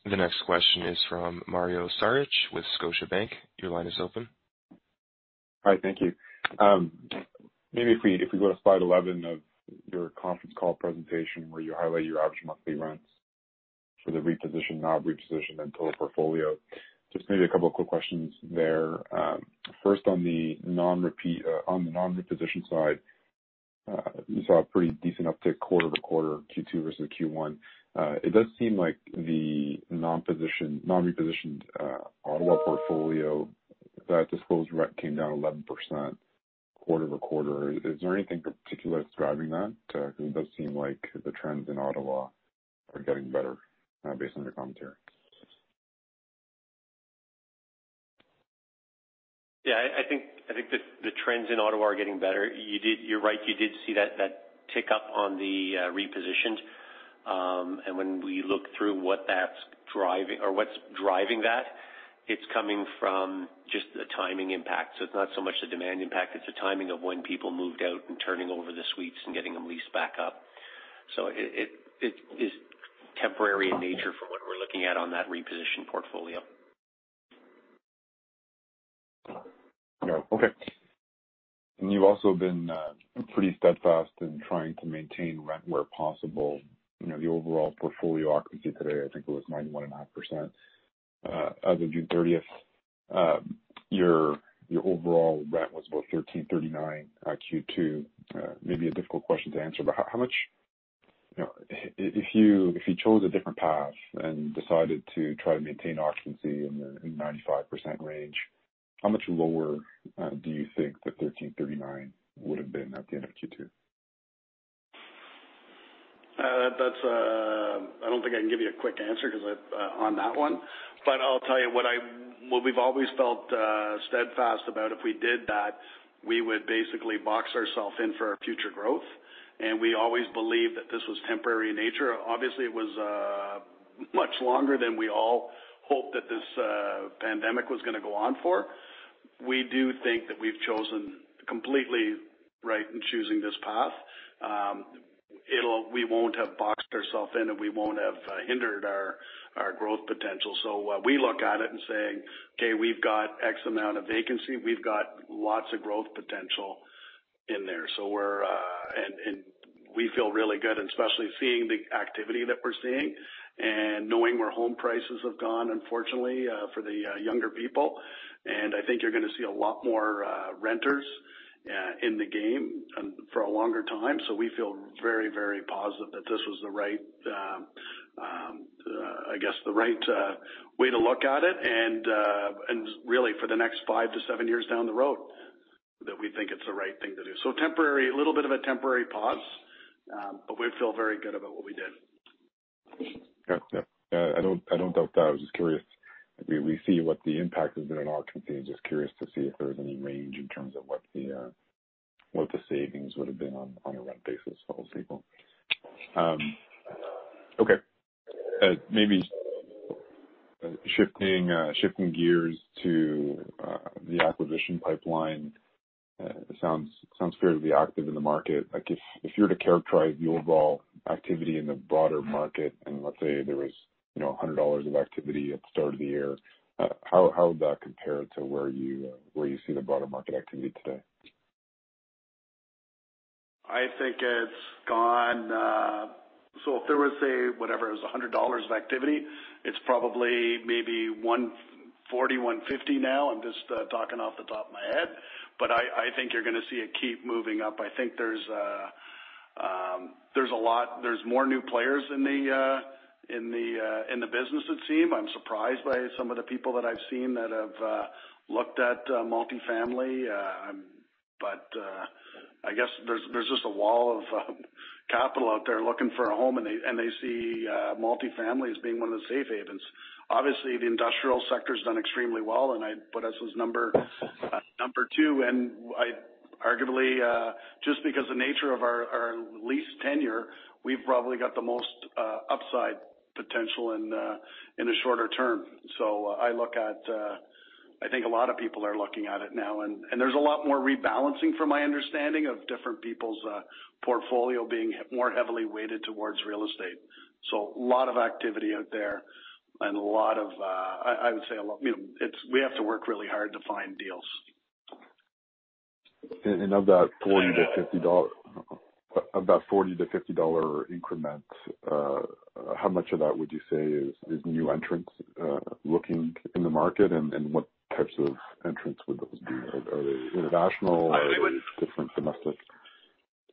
The next question is from Mario Saric with Scotiabank. Your line is open.
Hi. Thank you. Maybe if we go to slide 11 of your conference call presentation where you highlight your average monthly rents for the reposition, non-repositioned, and total portfolio. Just maybe a couple of quick questions there. First on the non-repositioned side, we saw a pretty decent uptick quarter to quarter, Q2 versus Q1. It does seem like the non-repositioned Ottawa portfolio, that disclosed rent came down 11%. Quarter to quarter, is there anything particular describing that? It does seem like the trends in Ottawa are getting better based on your commentary.
Yeah, I think the trends in Ottawa are getting better. You're right. You did see that tick up on the repositioned. When we look through what's driving that, it's coming from just the timing impact. It's not so much the demand impact, it's the timing of when people moved out and turning over the suites and getting them leased back up. It is temporary in nature from what we're looking at on that repositioned portfolio.
Yeah. Okay. You've also been pretty steadfast in trying to maintain rent where possible. The overall portfolio occupancy today, I think it was 91.5% as of June 30th. Your overall rent was about 1,339 at Q2. Maybe a difficult question to answer, if you chose a different path and decided to try to maintain occupancy in the 95% range, how much lower do you think the 1,339 would've been at the end of Q2?
I don't think I can give you a quick answer on that one, but I'll tell you what we've always felt steadfast about, if we did that, we would basically box ourself in for our future growth. We always believed that this was temporary in nature. Obviously, it was much longer than we all hoped that this pandemic was going to go on for. We do think that we've chosen completely right in choosing this path. We won't have boxed ourself in, and we won't have hindered our growth potential. We look at it and say, "Okay, we've got X amount of vacancy. We've got lots of growth potential in there." We feel really good, and especially seeing the activity that we're seeing and knowing where home prices have gone, unfortunately for the younger people. I think you're going to see a lot more renters in the game and for a longer time. We feel very, very positive that this was, I guess, the right way to look at it and really for the next five to seven years down the road that we think it's the right thing to do. A little bit of a temporary pause, but we feel very good about what we did.
Yeah. I don't doubt that. I was just curious. We see what the impact has been on occupancy. Just curious to see if there was any range in terms of what the savings would've been on a rent basis for all stable. Okay. Maybe shifting gears to the acquisition pipeline. Sounds fairly active in the market. If you were to characterize the overall activity in the broader market, and let's say there was 100 dollars of activity at the start of the year, how would that compare to where you see the broader market activity today?
I think So if there was, say, whatever, it was 100 dollars of activity, it's probably maybe 140, 150 now. I'm just talking off the top of my head. I think you're going to see it keep moving up. I think there's more new players in the business, it would seem. I'm surprised by some of the people that I've seen that have looked at multifamily. I guess there's just a wall of capital out there looking for a home, and they see multifamily as being one of the safe havens. Obviously, the industrial sector's done extremely well, and I'd put us as number two. Arguably, just because the nature of our lease tenure, we've probably got the most upside potential in the shorter term. I think a lot of people are looking at it now, and there's a lot more rebalancing from my understanding of different people's portfolio being more heavily weighted towards real estate. A lot of activity out there and I would say We have to work really hard to find deals.
Of that 40-50 dollars increment, how much of that would you say is new entrants looking in the market? What types of entrants would those be? Are they international or different domestic?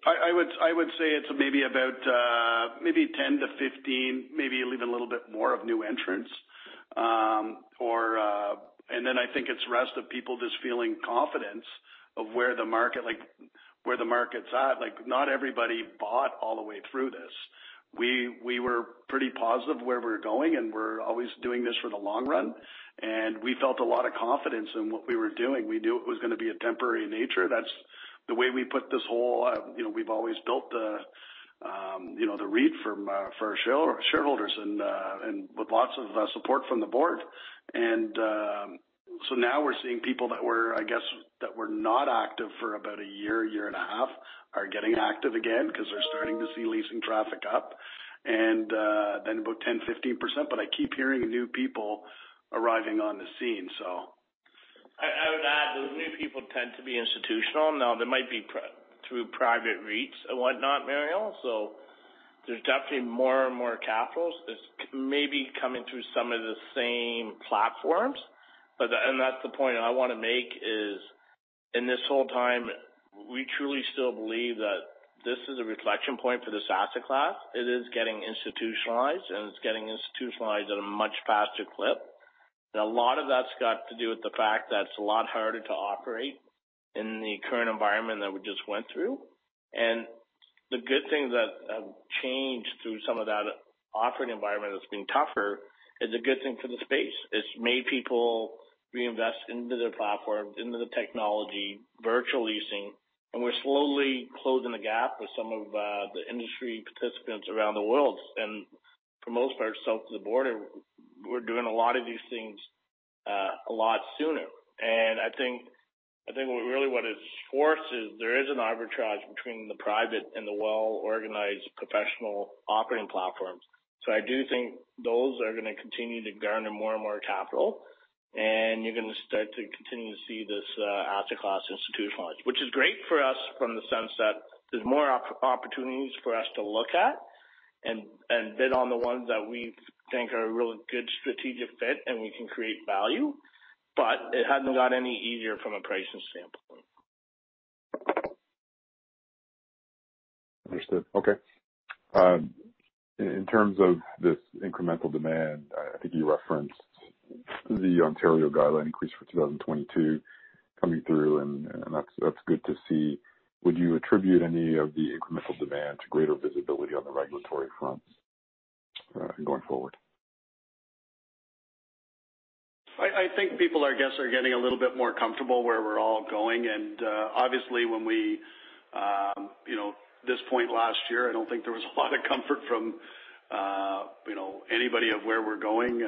I would say it's maybe about 10 to 15, maybe even a little bit more of new entrants. I think it's rest of people just feeling confidence of where the market's at. Not everybody bought all the way through this. We were pretty positive where we were going, and we're always doing this for the long run, and we felt a lot of confidence in what we were doing. We knew it was going to be a temporary nature. That's the way we put this. We've always built the REIT for our shareholders and with lots of support from the Board. Now we're seeing people that were, I guess, that were not active for about a year and a half, are getting active again because they're starting to see leasing traffic up and then about 10%-15%. I keep hearing new people arriving on the scene.
I would add, those new people tend to be institutional. Now they might be through private REITs and whatnot, Mario Saric. There's definitely more and more capital that's maybe coming through some of the same platforms. That's the point I want to make is in this whole time, we truly still believe that this is a inflection point for this asset class. It is getting institutionalized, and it's getting institutionalized at a much faster clip. A lot of that's got to do with the fact that it's a lot harder to operate in the current environment that we just went through. The good things that have changed through some of that operating environment that's been tougher is a good thing for the space. It's made people reinvest into their platform, into the technology, virtual leasing, and we're slowly closing the gap with some of the industry participants around the world. For most of ourselves to the border, we're doing a lot of these things a lot sooner. I think really what it forces, there is an arbitrage between the private and the well-organized professional operating platforms. I do think those are going to continue to garner more and more capital, and you're going to start to continue to see this asset class institutionalize. Which is great for us from the sense that there's more opportunities for us to look at and bid on the ones that we think are a really good strategic fit and we can create value, but it hasn't got any easier from a pricing standpoint.
Understood. Okay. In terms of this incremental demand, I think you referenced the Ontario guideline increase for 2022 coming through. That's good to see. Would you attribute any of the incremental demand to greater visibility on the regulatory front going forward?
I think people, I guess, are getting a little bit more comfortable where we're all going. Obviously when we this point last year, I don't think there was a lot of comfort from anybody of where we're going.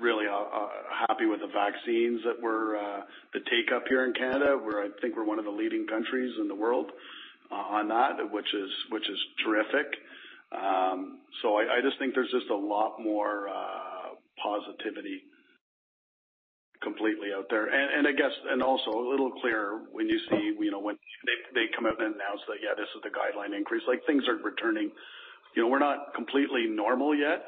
Really happy with the vaccines, the take-up here in Canada, where I think we're one of the leading countries in the world on that, which is terrific. I just think there's just a lot more positivity completely out there. I guess, and also a little clearer when you see, when they come out and announce that, yeah, this is the guideline increase. Things are returning. We're not completely normal yet.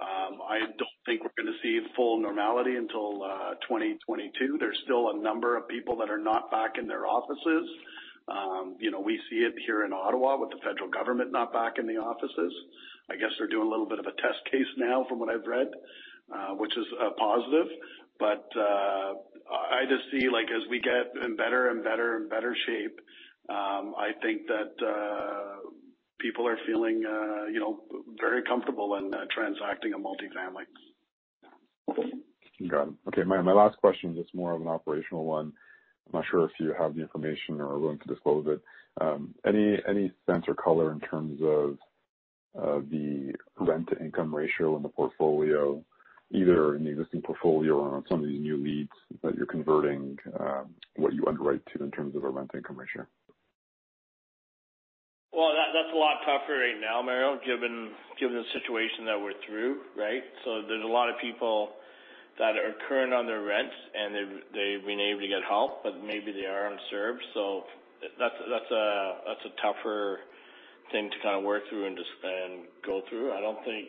I don't think we're going to see full normality until 2022. There's still a number of people that are not back in their offices. We see it here in Ottawa with the federal government not back in the offices. I guess they're doing a little bit of a test case now from what I've read, which is a positive. I just see as we get in better and better shape, I think that people are feeling very comfortable in transacting a multifamily.
Got it. Okay. My last question is more of an operational one. I'm not sure if you have the information or are willing to disclose it. Any sense or color in terms of the rent-to-income ratio in the portfolio, either in the existing portfolio or on some of these new leads that you're converting what you underwrite to in terms of a rent income ratio?
Well, that's a lot tougher right now, Mario, given the situation that we're through, right? There's a lot of people that are current on their rents and they've been able to get help, but maybe they are underserved. That's a tougher thing to kind of work through and go through. I don't think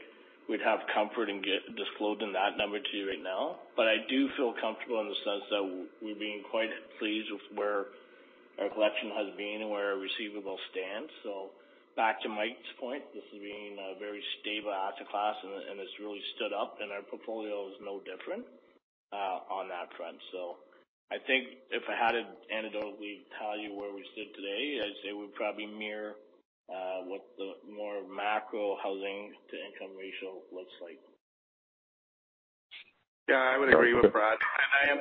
we'd have comfort in disclosing that number to you right now. I do feel comfortable in the sense that we're being quite pleased with where our collection has been and where our receivable stands. Back to Mike's point, this is being a very stable asset class, and it's really stood up, and our portfolio is no different on that front. I think if I had to anecdotally tell you where we stood today, I'd say we probably mirror what the more macro housing-to-income ratio looks like.
Yeah, I would agree with Brad.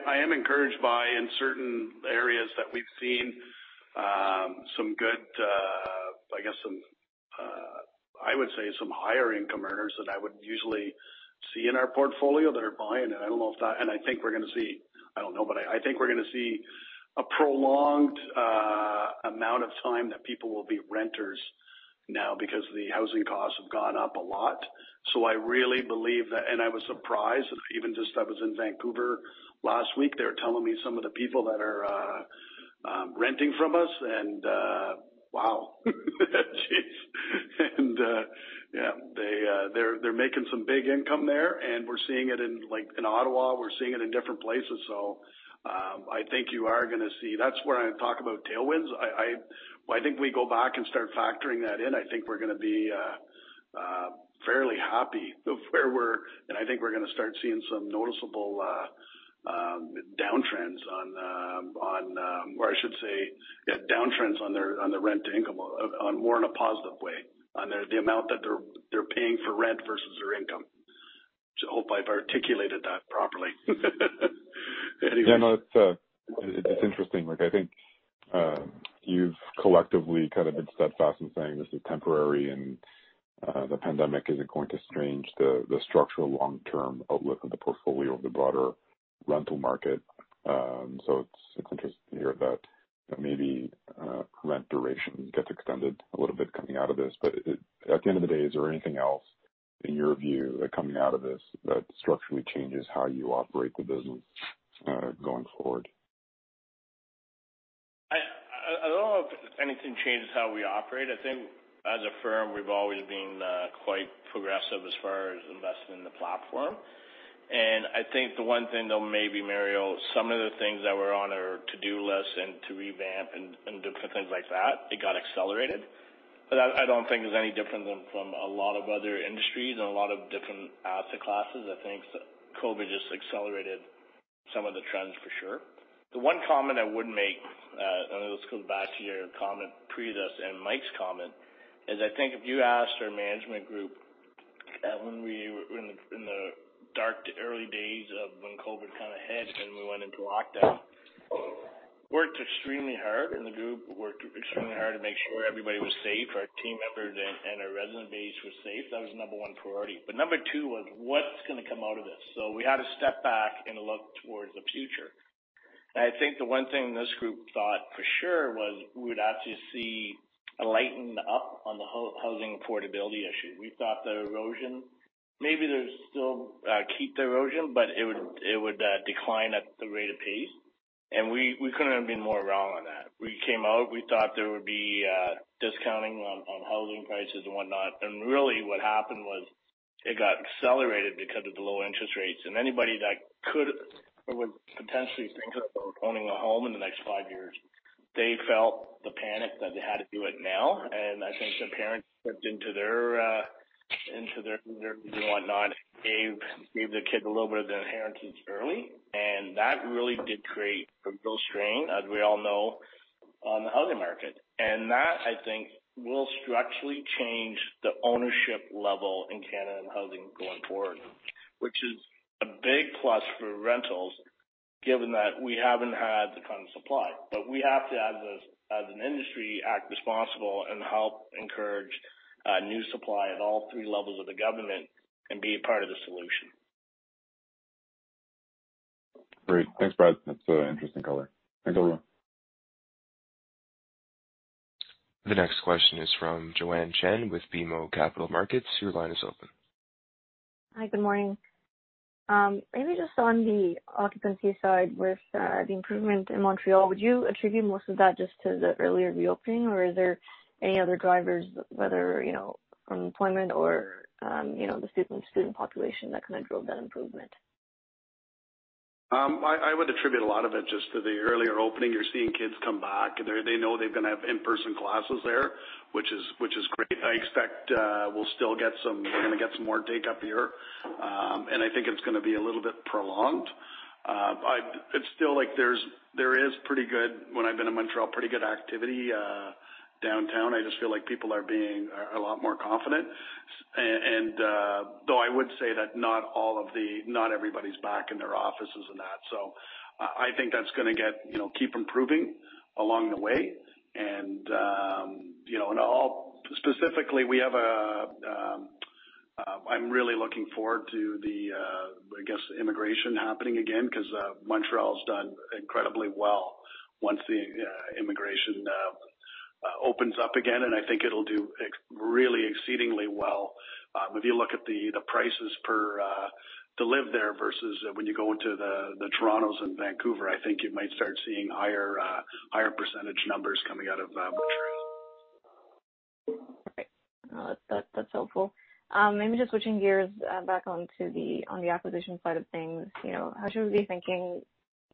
I am encouraged by in certain areas that we've seen some good, I would say some higher income earners than I would usually see in our portfolio that are buying. I think we're going to see, I don't know, but I think we're going to see a prolonged amount of time that people will be renters now because the housing costs have gone up a lot. I really believe that, and I was surprised. Even just I was in Vancouver last week, they were telling me some of the people that are renting from us and, wow. Jeez. Yeah, they're making some big income there, and we're seeing it in Ottawa. We're seeing it in different places. I think you are going to see. That's where I talk about tailwinds. I think we go back and start factoring that in. I think we're going to be fairly happy with where we're-- I think we're going to start seeing some noticeable downtrends. I should say, yeah, downtrends on the rent to income on more in a positive way, on the amount that they're paying for rent versus their income. I hope I've articulated that properly. Anyways.
Yeah, no, it's interesting. I think you've collectively kind of been steadfast in saying this is temporary and the pandemic isn't going to change the structural long-term outlook of the portfolio of the broader rental market. It's interesting to hear that maybe rent duration gets extended a little bit coming out of this. At the end of the day, is there anything else in your view coming out of this that structurally changes how you operate the business going forward?
I don't know if anything changes how we operate. I think as a firm, we've always been quite progressive as far as investing in the platform. I think the one thing though maybe, Mario, some of the things that were on our to-do list and to revamp and different things like that, it got accelerated. I don't think there's any difference from a lot of other industries and a lot of different asset classes. I think COVID just accelerated some of the trends for sure. The one comment I would make, this goes back to your comment previous and Mike's comment, is I think if you asked our management group that when we were in the dark to early days of when COVID hit and we went into lockdown, worked extremely hard, and the group worked extremely hard to make sure everybody was safe, our team members and our resident base was safe. That was number one priority. Number two was, what's going to come out of this? We had to step back and look towards the future. I think the one thing this group thought for sure was we would actually see a lighten up on the housing affordability issue. We thought the erosion, maybe there's still keep the erosion, it would decline at the rate of pace. We couldn't have been more wrong on that. We came out, we thought there would be discounting on housing prices and whatnot. Really what happened was it got accelerated because of the low interest rates. Anybody that could or would potentially think about owning a home in the next five years, they felt the panic that they had to do it now. I think some parents dipped into their and whatnot, gave their kids a little bit of their inheritance early. That really did create a real strain, as we all know, on the housing market. That, I think, will structurally change the ownership level in Canada and housing going forward. Which is a big plus for rentals given that we haven't had the kind of supply. We have to, as an industry, act responsible and help encourage new supply at all three levels of the government and be a part of the solution.
Great. Thanks, Brad. That's an interesting color. Thanks, everyone.
The next question is from Joanne Chen with BMO Capital Markets. Your line is open.
Hi, good morning. Maybe just on the occupancy side with the improvement in Montreal, would you attribute most of that just to the earlier reopening or are there any other drivers, whether from employment or the student population that kind of drove that improvement?
I would attribute a lot of it just to the earlier opening. You're seeing kids come back. They know they're going to have in-person classes there, which is great. I expect we're going to get some more take-up here. I think it's going to be a little bit prolonged. It's still like there is pretty good, when I've been in Montreal, pretty good activity downtown. I just feel like people are being a lot more confident. I would say that not everybody's back in their offices and that. I think that's going to keep improving along the way. Specifically, I'm really looking forward to the, I guess, immigration happening again, because Montreal's done incredibly well once the immigration opens up again. I think it'll do really exceedingly well. If you look at the prices to live there versus when you go into the Toronto and Vancouver, I think you might start seeing higher percentage numbers coming out of Montreal.
Okay. No, that's helpful. Maybe just switching gears back on the acquisition side of things. How should we be thinking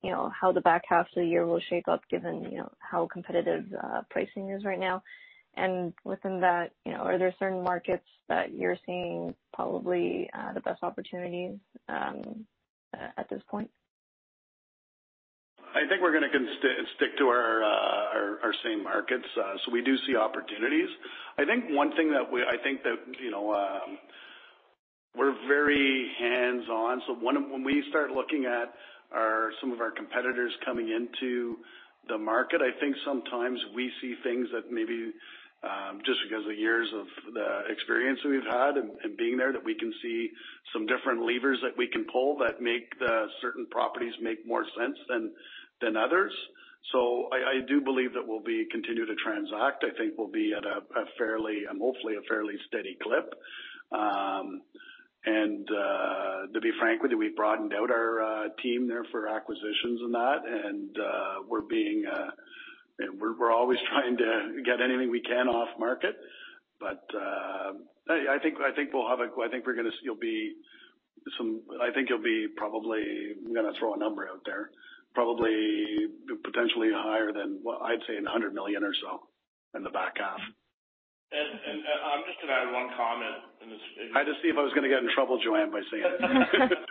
how the back half of the year will shape up given how competitive pricing is right now? Within that, are there certain markets that you're seeing probably the best opportunities at this point?
I think we're going to stick to our same markets. We do see opportunities. I think one thing that we're very hands-on. When we start looking at some of our competitors coming into the market, I think sometimes we see things that maybe just because of years of the experience we've had and being there that we can see some different levers that we can pull that make the certain properties make more sense than others. I do believe that we'll continue to transact. I think we'll be at a fairly, and hopefully a fairly steady clip. To be frank with you, we broadened out our team there for acquisitions and that, and we're always trying to get anything we can off-market. I think you'll be probably, I'm going to throw a number out there, probably potentially higher than, well, I'd say in the 100 million or so in the back half.
I'm just going to add one comment in this.
Had to see if I was going to get in trouble, Joanne, by saying that.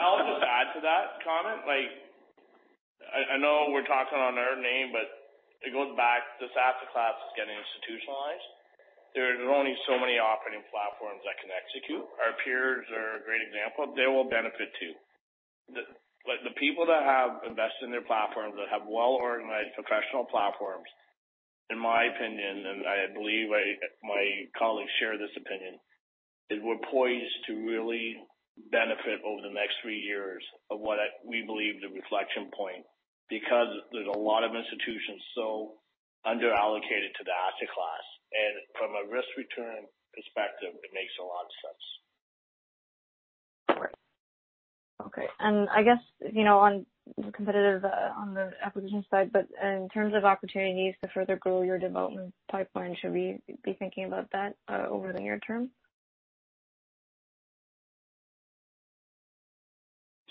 I'll just add to that comment. I know we're talking on our name, but it goes back, this asset class is getting institutionalized. There are only so many operating platforms that can execute. Our peers are a great example. They will benefit, too. The people that have invested in their platforms, that have well-organized professional platforms, in my opinion, and I believe my colleagues share this opinion, is we're poised to really benefit over the next three years of what we believe the inflection point because there's a lot of institutions so under-allocated to the asset class. From a risk-return perspective, it makes a lot of sense.
Great. Okay. I guess on the competitive, on the acquisition side, but in terms of opportunities to further grow your development pipeline, should we be thinking about that over the near term?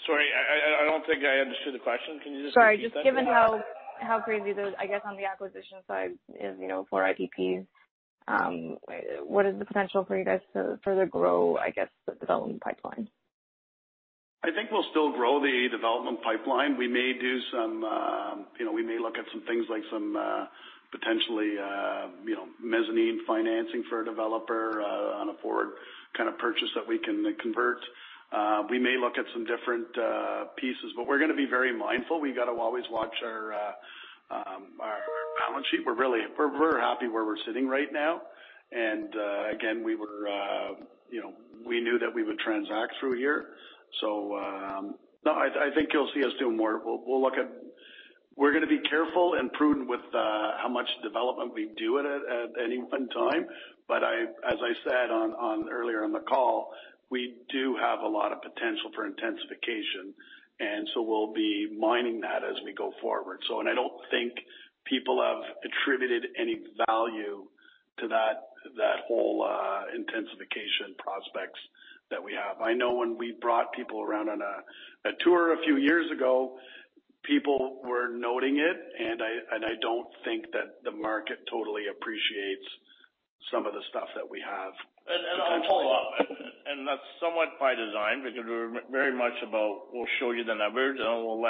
Sorry, I don't think I understood the question. Can you just repeat that?
Sorry, just given how crazy the, I guess, on the acquisition side is for IPPs, what is the potential for you guys to further grow, I guess, the development pipeline?
I think we'll still grow the development pipeline. We may look at some things like some potentially mezzanine financing for a developer on a forward kind of purchase that we can convert. We may look at some different pieces. We're going to be very mindful. We got to always watch our balance sheet. We're very happy where we're sitting right now. Again, we knew that we would transact through here. No, I think you'll see us doing more. We're going to be careful and prudent with how much development we do at any one time. As I said earlier on the call, we do have a lot of potential for intensification, and so we'll be mining that as we go forward. I don't think people have attributed any value to that whole intensification prospects that we have. I know when we brought people around on a tour a few years ago, people were noting it, and I don't think that the market totally appreciates some of the stuff that we have.
I'll follow up. That's somewhat by design because we're very much about, we'll show you the numbers, and we'll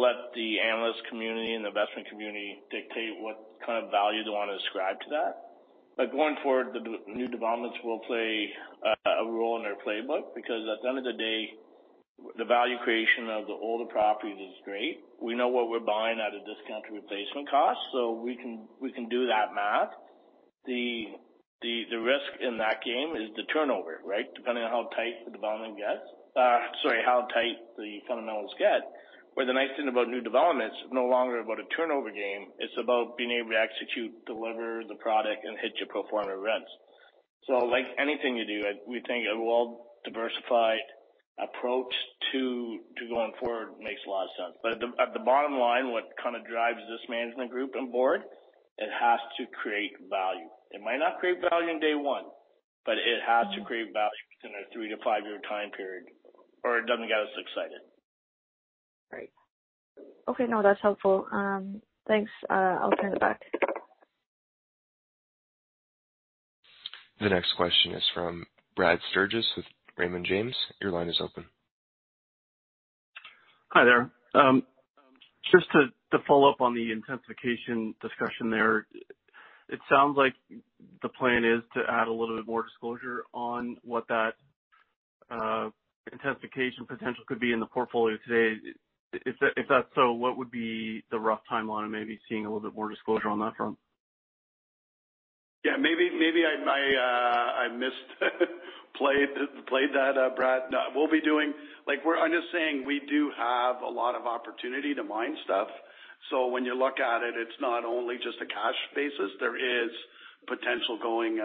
let the analyst community and investment community dictate what kind of value they want to ascribe to that. Going forward, the new developments will play a role in their playbook because at the end of the day, the value creation of the older properties is great. We know what we're buying at a discount to replacement cost, so we can do that math. The risk in that game is the turnover, right, depending on how tight the fundamentals get. Where the nice thing about new developments, it's no longer about a turnover game, it's about being able to execute, deliver the product, and hit your pro forma rents. Like anything you do, we think a well-diversified approach to going forward makes a lot of sense. At the bottom line, what kind of drives this management group and Board, it has to create value. It might not create value on day one, but it has to create value within a three- to five-year time period, or it doesn't get us excited.
Right. Okay. No, that's helpful. Thanks. I'll turn it back.
The next question is from Brad Sturges with Raymond James. Your line is open.
Hi there. Just to follow up on the intensification discussion there. It sounds like the plan is to add a little bit more disclosure on what that intensification potential could be in the portfolio today. If that's so, what would be the rough timeline of maybe seeing a little bit more disclosure on that front?
Maybe I misplayed that, Brad. I'm just saying we do have a lot of opportunity to mine stuff. When you look at it's not only just a cash basis. There is potential going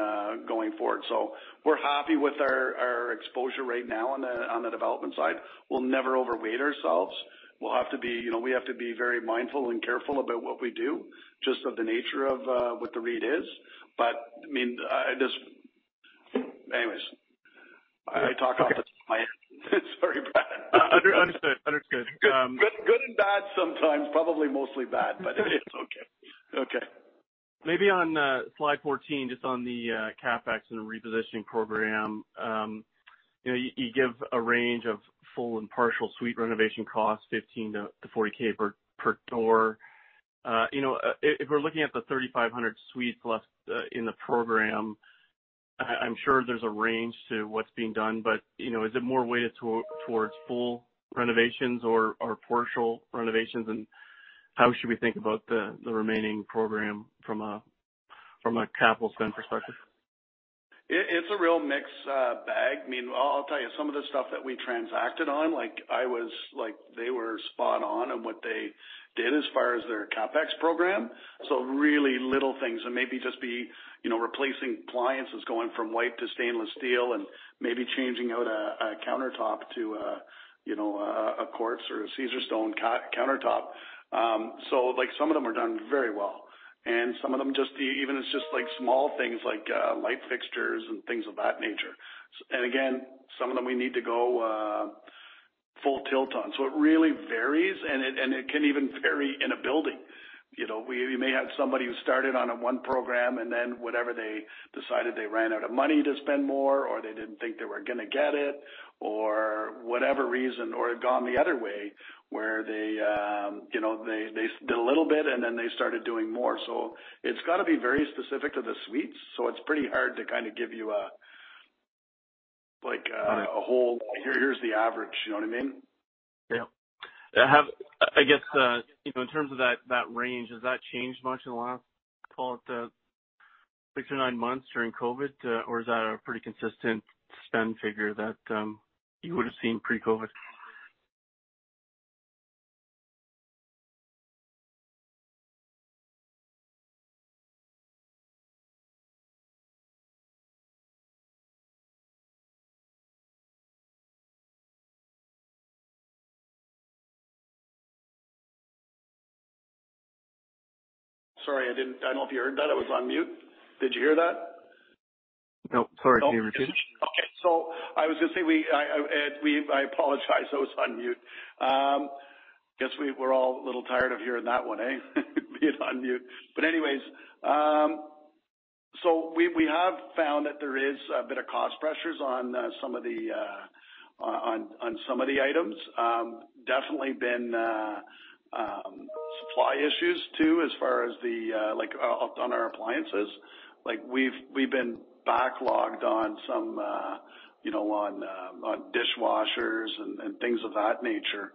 forward. We're happy with our exposure right now on the development side. We'll never overweight ourselves. We have to be very mindful and careful about what we do, just of the nature of what the REIT is. Anyways, I talk off the top of my head. Sorry, Brad.
Understood.
Good and bad sometimes, probably mostly bad, but it's okay.
Maybe on slide 14, just on the CapEx and repositioning program. You give a range of full and partial suite renovation costs, 15,000-40,000 per door. If we're looking at the 3,500 suites left in the program, I'm sure there's a range to what's being done. Is it more weighted towards full renovations or partial renovations, and how should we think about the remaining program from a capital spend perspective?
It's a real mixed bag. I'll tell you, some of the stuff that we transacted on, they were spot on in what they did as far as their CapEx program. Really little things, maybe just be replacing appliances, going from white to stainless steel and maybe changing out a countertop to a quartz or a Caesarstone countertop. Some of them are done very well, and some of them just even it's just small things like light fixtures and things of that nature. Again, some of them we need to go full tilt on. It really varies, and it can even vary in a building. We may have somebody who started on one program and then whatever they decided they ran out of money to spend more, or they didn't think they were going to get it, or whatever reason. It had gone the other way, where they did a little bit and then they started doing more. It's got to be very specific to the suites. It's pretty hard to kind of give you a whole, here's the average. You know what I mean?
Yeah. I guess, in terms of that range, has that changed much in the last, call it six or nine months during COVID, or is that a pretty consistent spend figure that you would've seen pre-COVID?
Sorry, I don't know if you heard that. I was on mute. Did you hear that?
No. Sorry, can you repeat it?
Okay. I was going to say, I apologize. I was on mute. Guess we're all a little tired of hearing that one, eh? Being on mute. We have found that there is a bit of cost pressures on some of the items. Definitely been supply issues too, as far as on our appliances. We've been backlogged on dishwashers and things of that nature.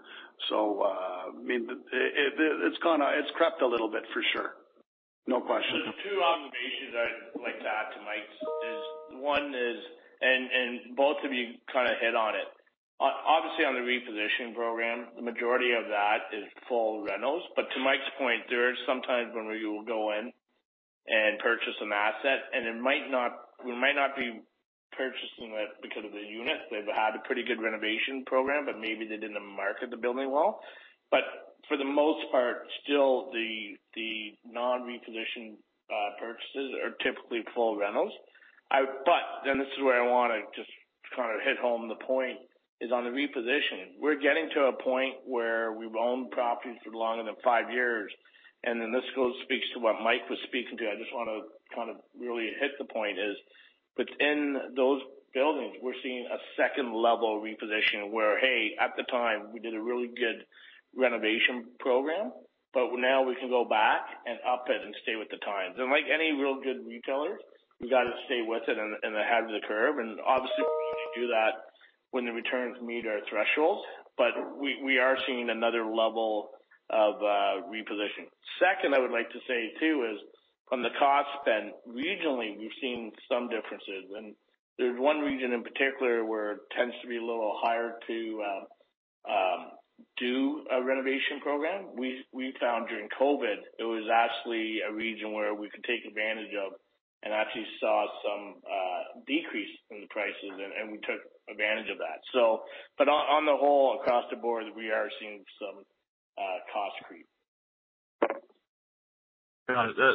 It's crept a little bit, for sure. No question.
There's two observations I'd like to add to Mike's. One is, and both of you kind of hit on it. Obviously, on the repositioning program, the majority of that is full renos. To Mike's point, there is sometimes when we will go in and purchase an asset, and we might not be purchasing it because of the unit. They've had a pretty good renovation program, but maybe they didn't market the building well. For the most part, still the non-repositioned purchases are typically full renos. This is where I want to just kind of hit home the point is on the reposition. We're getting to a point where we've owned properties for longer than five years, and then this goes speaks to what Mike was speaking to. I just want to kind of really hit the point is within those buildings, we're seeing a second-level reposition where, hey, at the time, we did a really good renovation program. Now we can go back and up it and stay with the times. Like any real good retailer, we've got to stay with it and ahead of the curve. Obviously, we do that when the returns meet our thresholds. We are seeing another level of reposition. Second, I would like to say too is, from the cost spend, regionally, we've seen some differences, and there's one region in particular where it tends to be a little higher to do a renovation program. We found during COVID, it was actually a region where we could take advantage of and actually saw some decrease in the prices, and we took advantage of that. On the whole, across the Board, we are seeing some cost creep.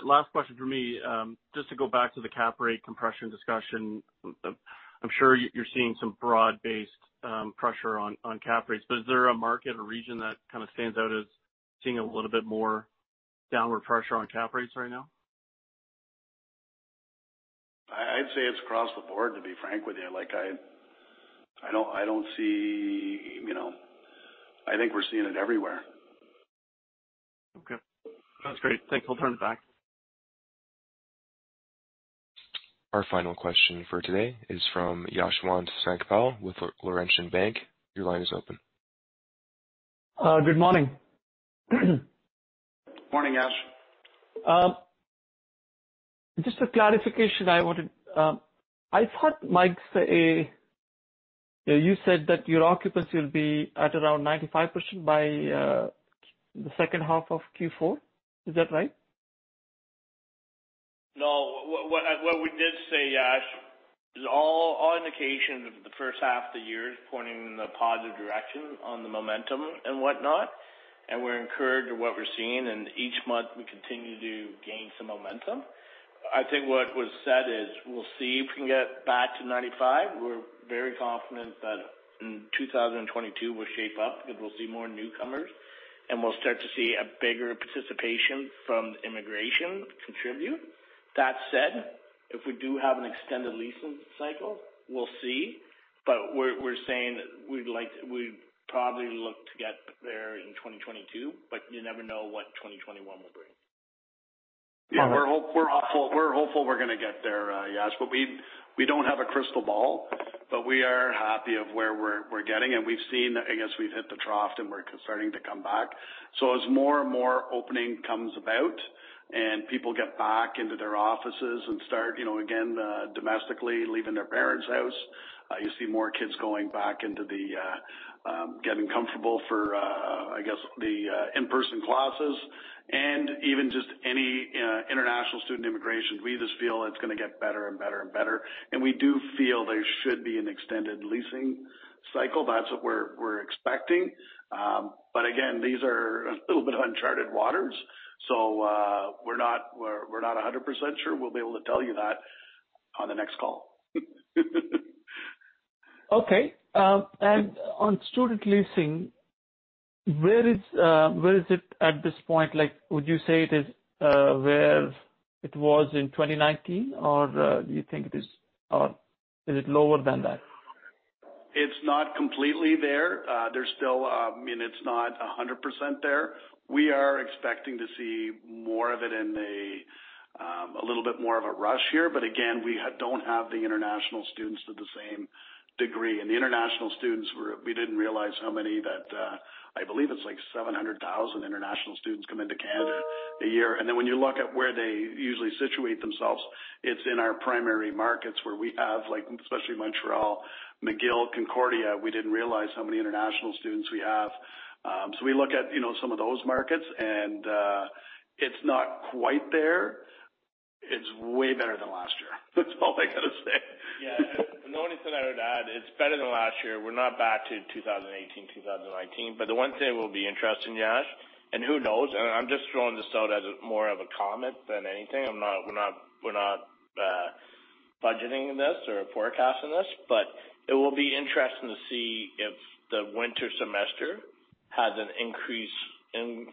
Last question from me. Just to go back to the cap rate compression discussion. I'm sure you're seeing some broad-based pressure on cap rates. Is there a market or region that kind of stands out as seeing a little bit more downward pressure on cap rates right now?
I'd say it's across the Board, to be frank with you. I think we're seeing it everywhere.
Okay. That's great. Thanks. We'll turn it back.
Our final question for today is from Yashwant Sankpal with Laurentian Bank. Your line is open.
Good morning.
Morning, Yash.
Just a clarification I wanted. I thought, Mike, you said that your occupancy will be at around 95% by the second half of Q4. Is that right?
No. What we did say, Yash, is all indication of the first half of the year is pointing in the positive direction on the momentum and whatnot, and we're encouraged with what we're seeing, and each month we continue to gain some momentum. I think what was said is we'll see if we can get back to 95%. We're very confident that in 2022 we'll shape up because we'll see more newcomers, and we'll start to see a bigger participation from immigration contribute. That said, if we do have an extended leasing cycle, we'll see. We're saying we'd probably look to get there in 2022, but you never know what 2021 will bring.
Yeah. We're hopeful we're going to get there, Yash. We don't have a crystal ball. We are happy of where we're getting, and we've seen, I guess we've hit the trough, and we're starting to come back. As more and more opening comes about and people get back into their offices and start again, domestically, leaving their parents' house. You see more kids going back into getting comfortable for, I guess, the in-person classes and even just any international student immigration. We just feel it's going to get better and better. We do feel there should be an extended leasing cycle. That's what we're expecting. Again, these are a little bit of uncharted waters, so we're not 100% sure we'll be able to tell you that on the next call.
Okay. On student leasing, where is it at this point? Would you say it is where it was in 2019, or do you think is it lower than that?
It's not completely there. It's not 100% there. We are expecting to see more of it in a little bit more of a rush here. Again, we don't have the international students to the same degree. The international students, we didn't realize how many that, I believe it's like 700,000 international students come into Canada a year. When you look at where they usually situate themselves, it's in our primary markets where we have. Like especially Montreal, McGill, Concordia, we didn't realize how many international students we have. We look at some of those markets, and it's not quite there. It's way better than last year. That's all I got to say.
Yeah. The only thing I would add, it's better than last year. We're not back to 2018, 2019. The one thing that will be interesting, Yash, and who knows, and I'm just throwing this out as more of a comment than anything. We're not budgeting this or forecasting this, it will be interesting to see if the winter semester has an increase in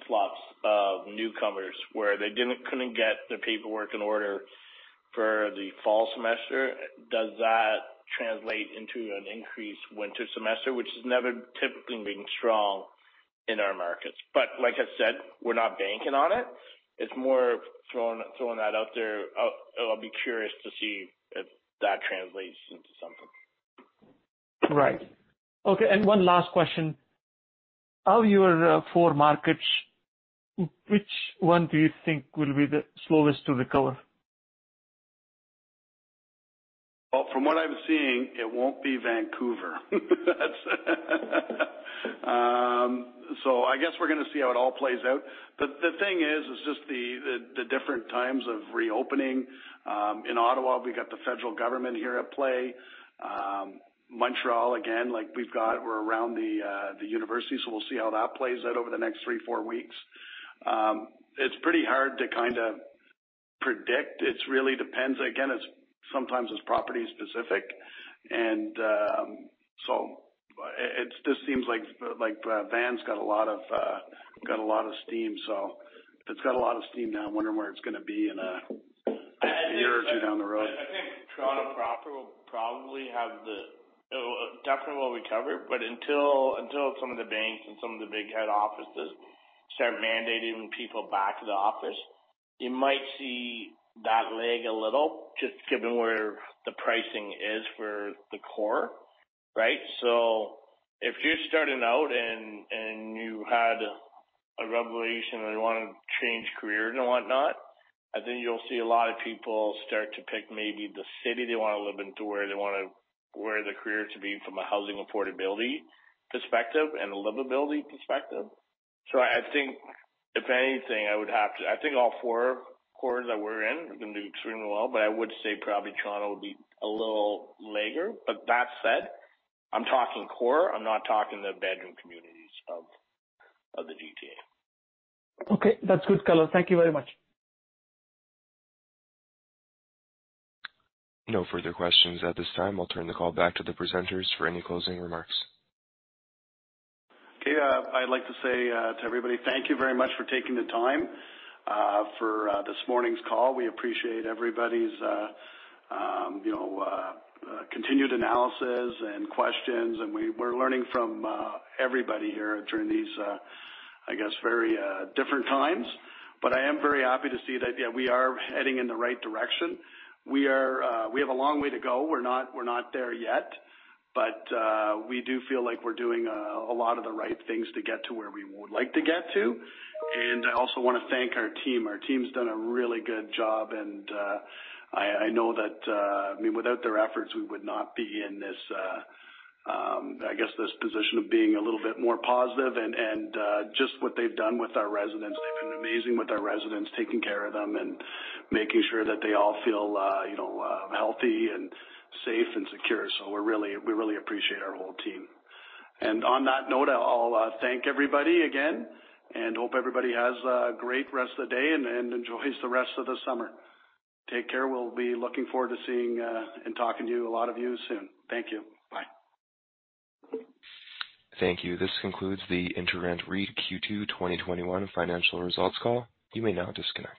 flocks of newcomers, where they couldn't get their paperwork in order for the fall semester. Does that translate into an increased winter semester, which has never typically been strong in our markets? Like I said, we're not banking on it. It's more of throwing that out there. I'll be curious to see if that translates into something.
Right. Okay, one last question. Of your 4 markets, which one do you think will be the slowest to recover?
Well, from what I'm seeing, it won't be Vancouver. I guess we're going to see how it all plays out. The thing is, it's just the different times of reopening. In Ottawa, we got the federal government here at play. Montreal, again, we're around the universities, so we'll see how that plays out over the next three, four weeks. It's pretty hard to kind of predict. It really depends. Again, sometimes it's property-specific. It just seems like Van's got a lot of steam. It's got a lot of steam now. I'm wondering where it's going to be in a year or two down the road.
I think Toronto proper will definitely will recover, but until some of the banks and some of the big head offices start mandating people back to the office, you might see that lag a little, just given where the pricing is for the core. Right? So if you're starting out and you had a revelation and want to change careers and whatnot, I think you'll see a lot of people start to pick maybe the city they want to live in to where they want to, where the career to be from a housing affordability perspective and a livability perspective. So I think if anything, I think all four cores that we're in are going to do extremely well, that said, I'm talking core. I'm not talking the bedroom communities of the GTA.
Okay. That's good, color. Thank you very much.
No further questions at this time. I'll turn the call back to the presenters for any closing remarks.
Okay. I'd like to say to everybody, thank you very much for taking the time for this morning's call. We appreciate everybody's continued analysis and questions, and we're learning from everybody here during these, I guess, very different times. I am very happy to see that, yeah, we are heading in the right direction. We have a long way to go. We're not there yet, but we do feel like we're doing a lot of the right things to get to where we would like to get to. I also want to thank our team. Our team's done a really good job, and I know that without their efforts, we would not be in this position of being a little bit more positive. Just what they've done with our residents, they've been amazing with our residents, taking care of them and making sure that they all feel healthy and safe and secure. We really appreciate our whole team. On that note, I'll thank everybody again and hope everybody has a great rest of the day and enjoys the rest of the summer. Take care. We'll be looking forward to seeing, and talking to a lot of you soon. Thank you. Bye.
Thank you. This concludes the InterRent REIT Q2 2021 financial results call. You may now disconnect.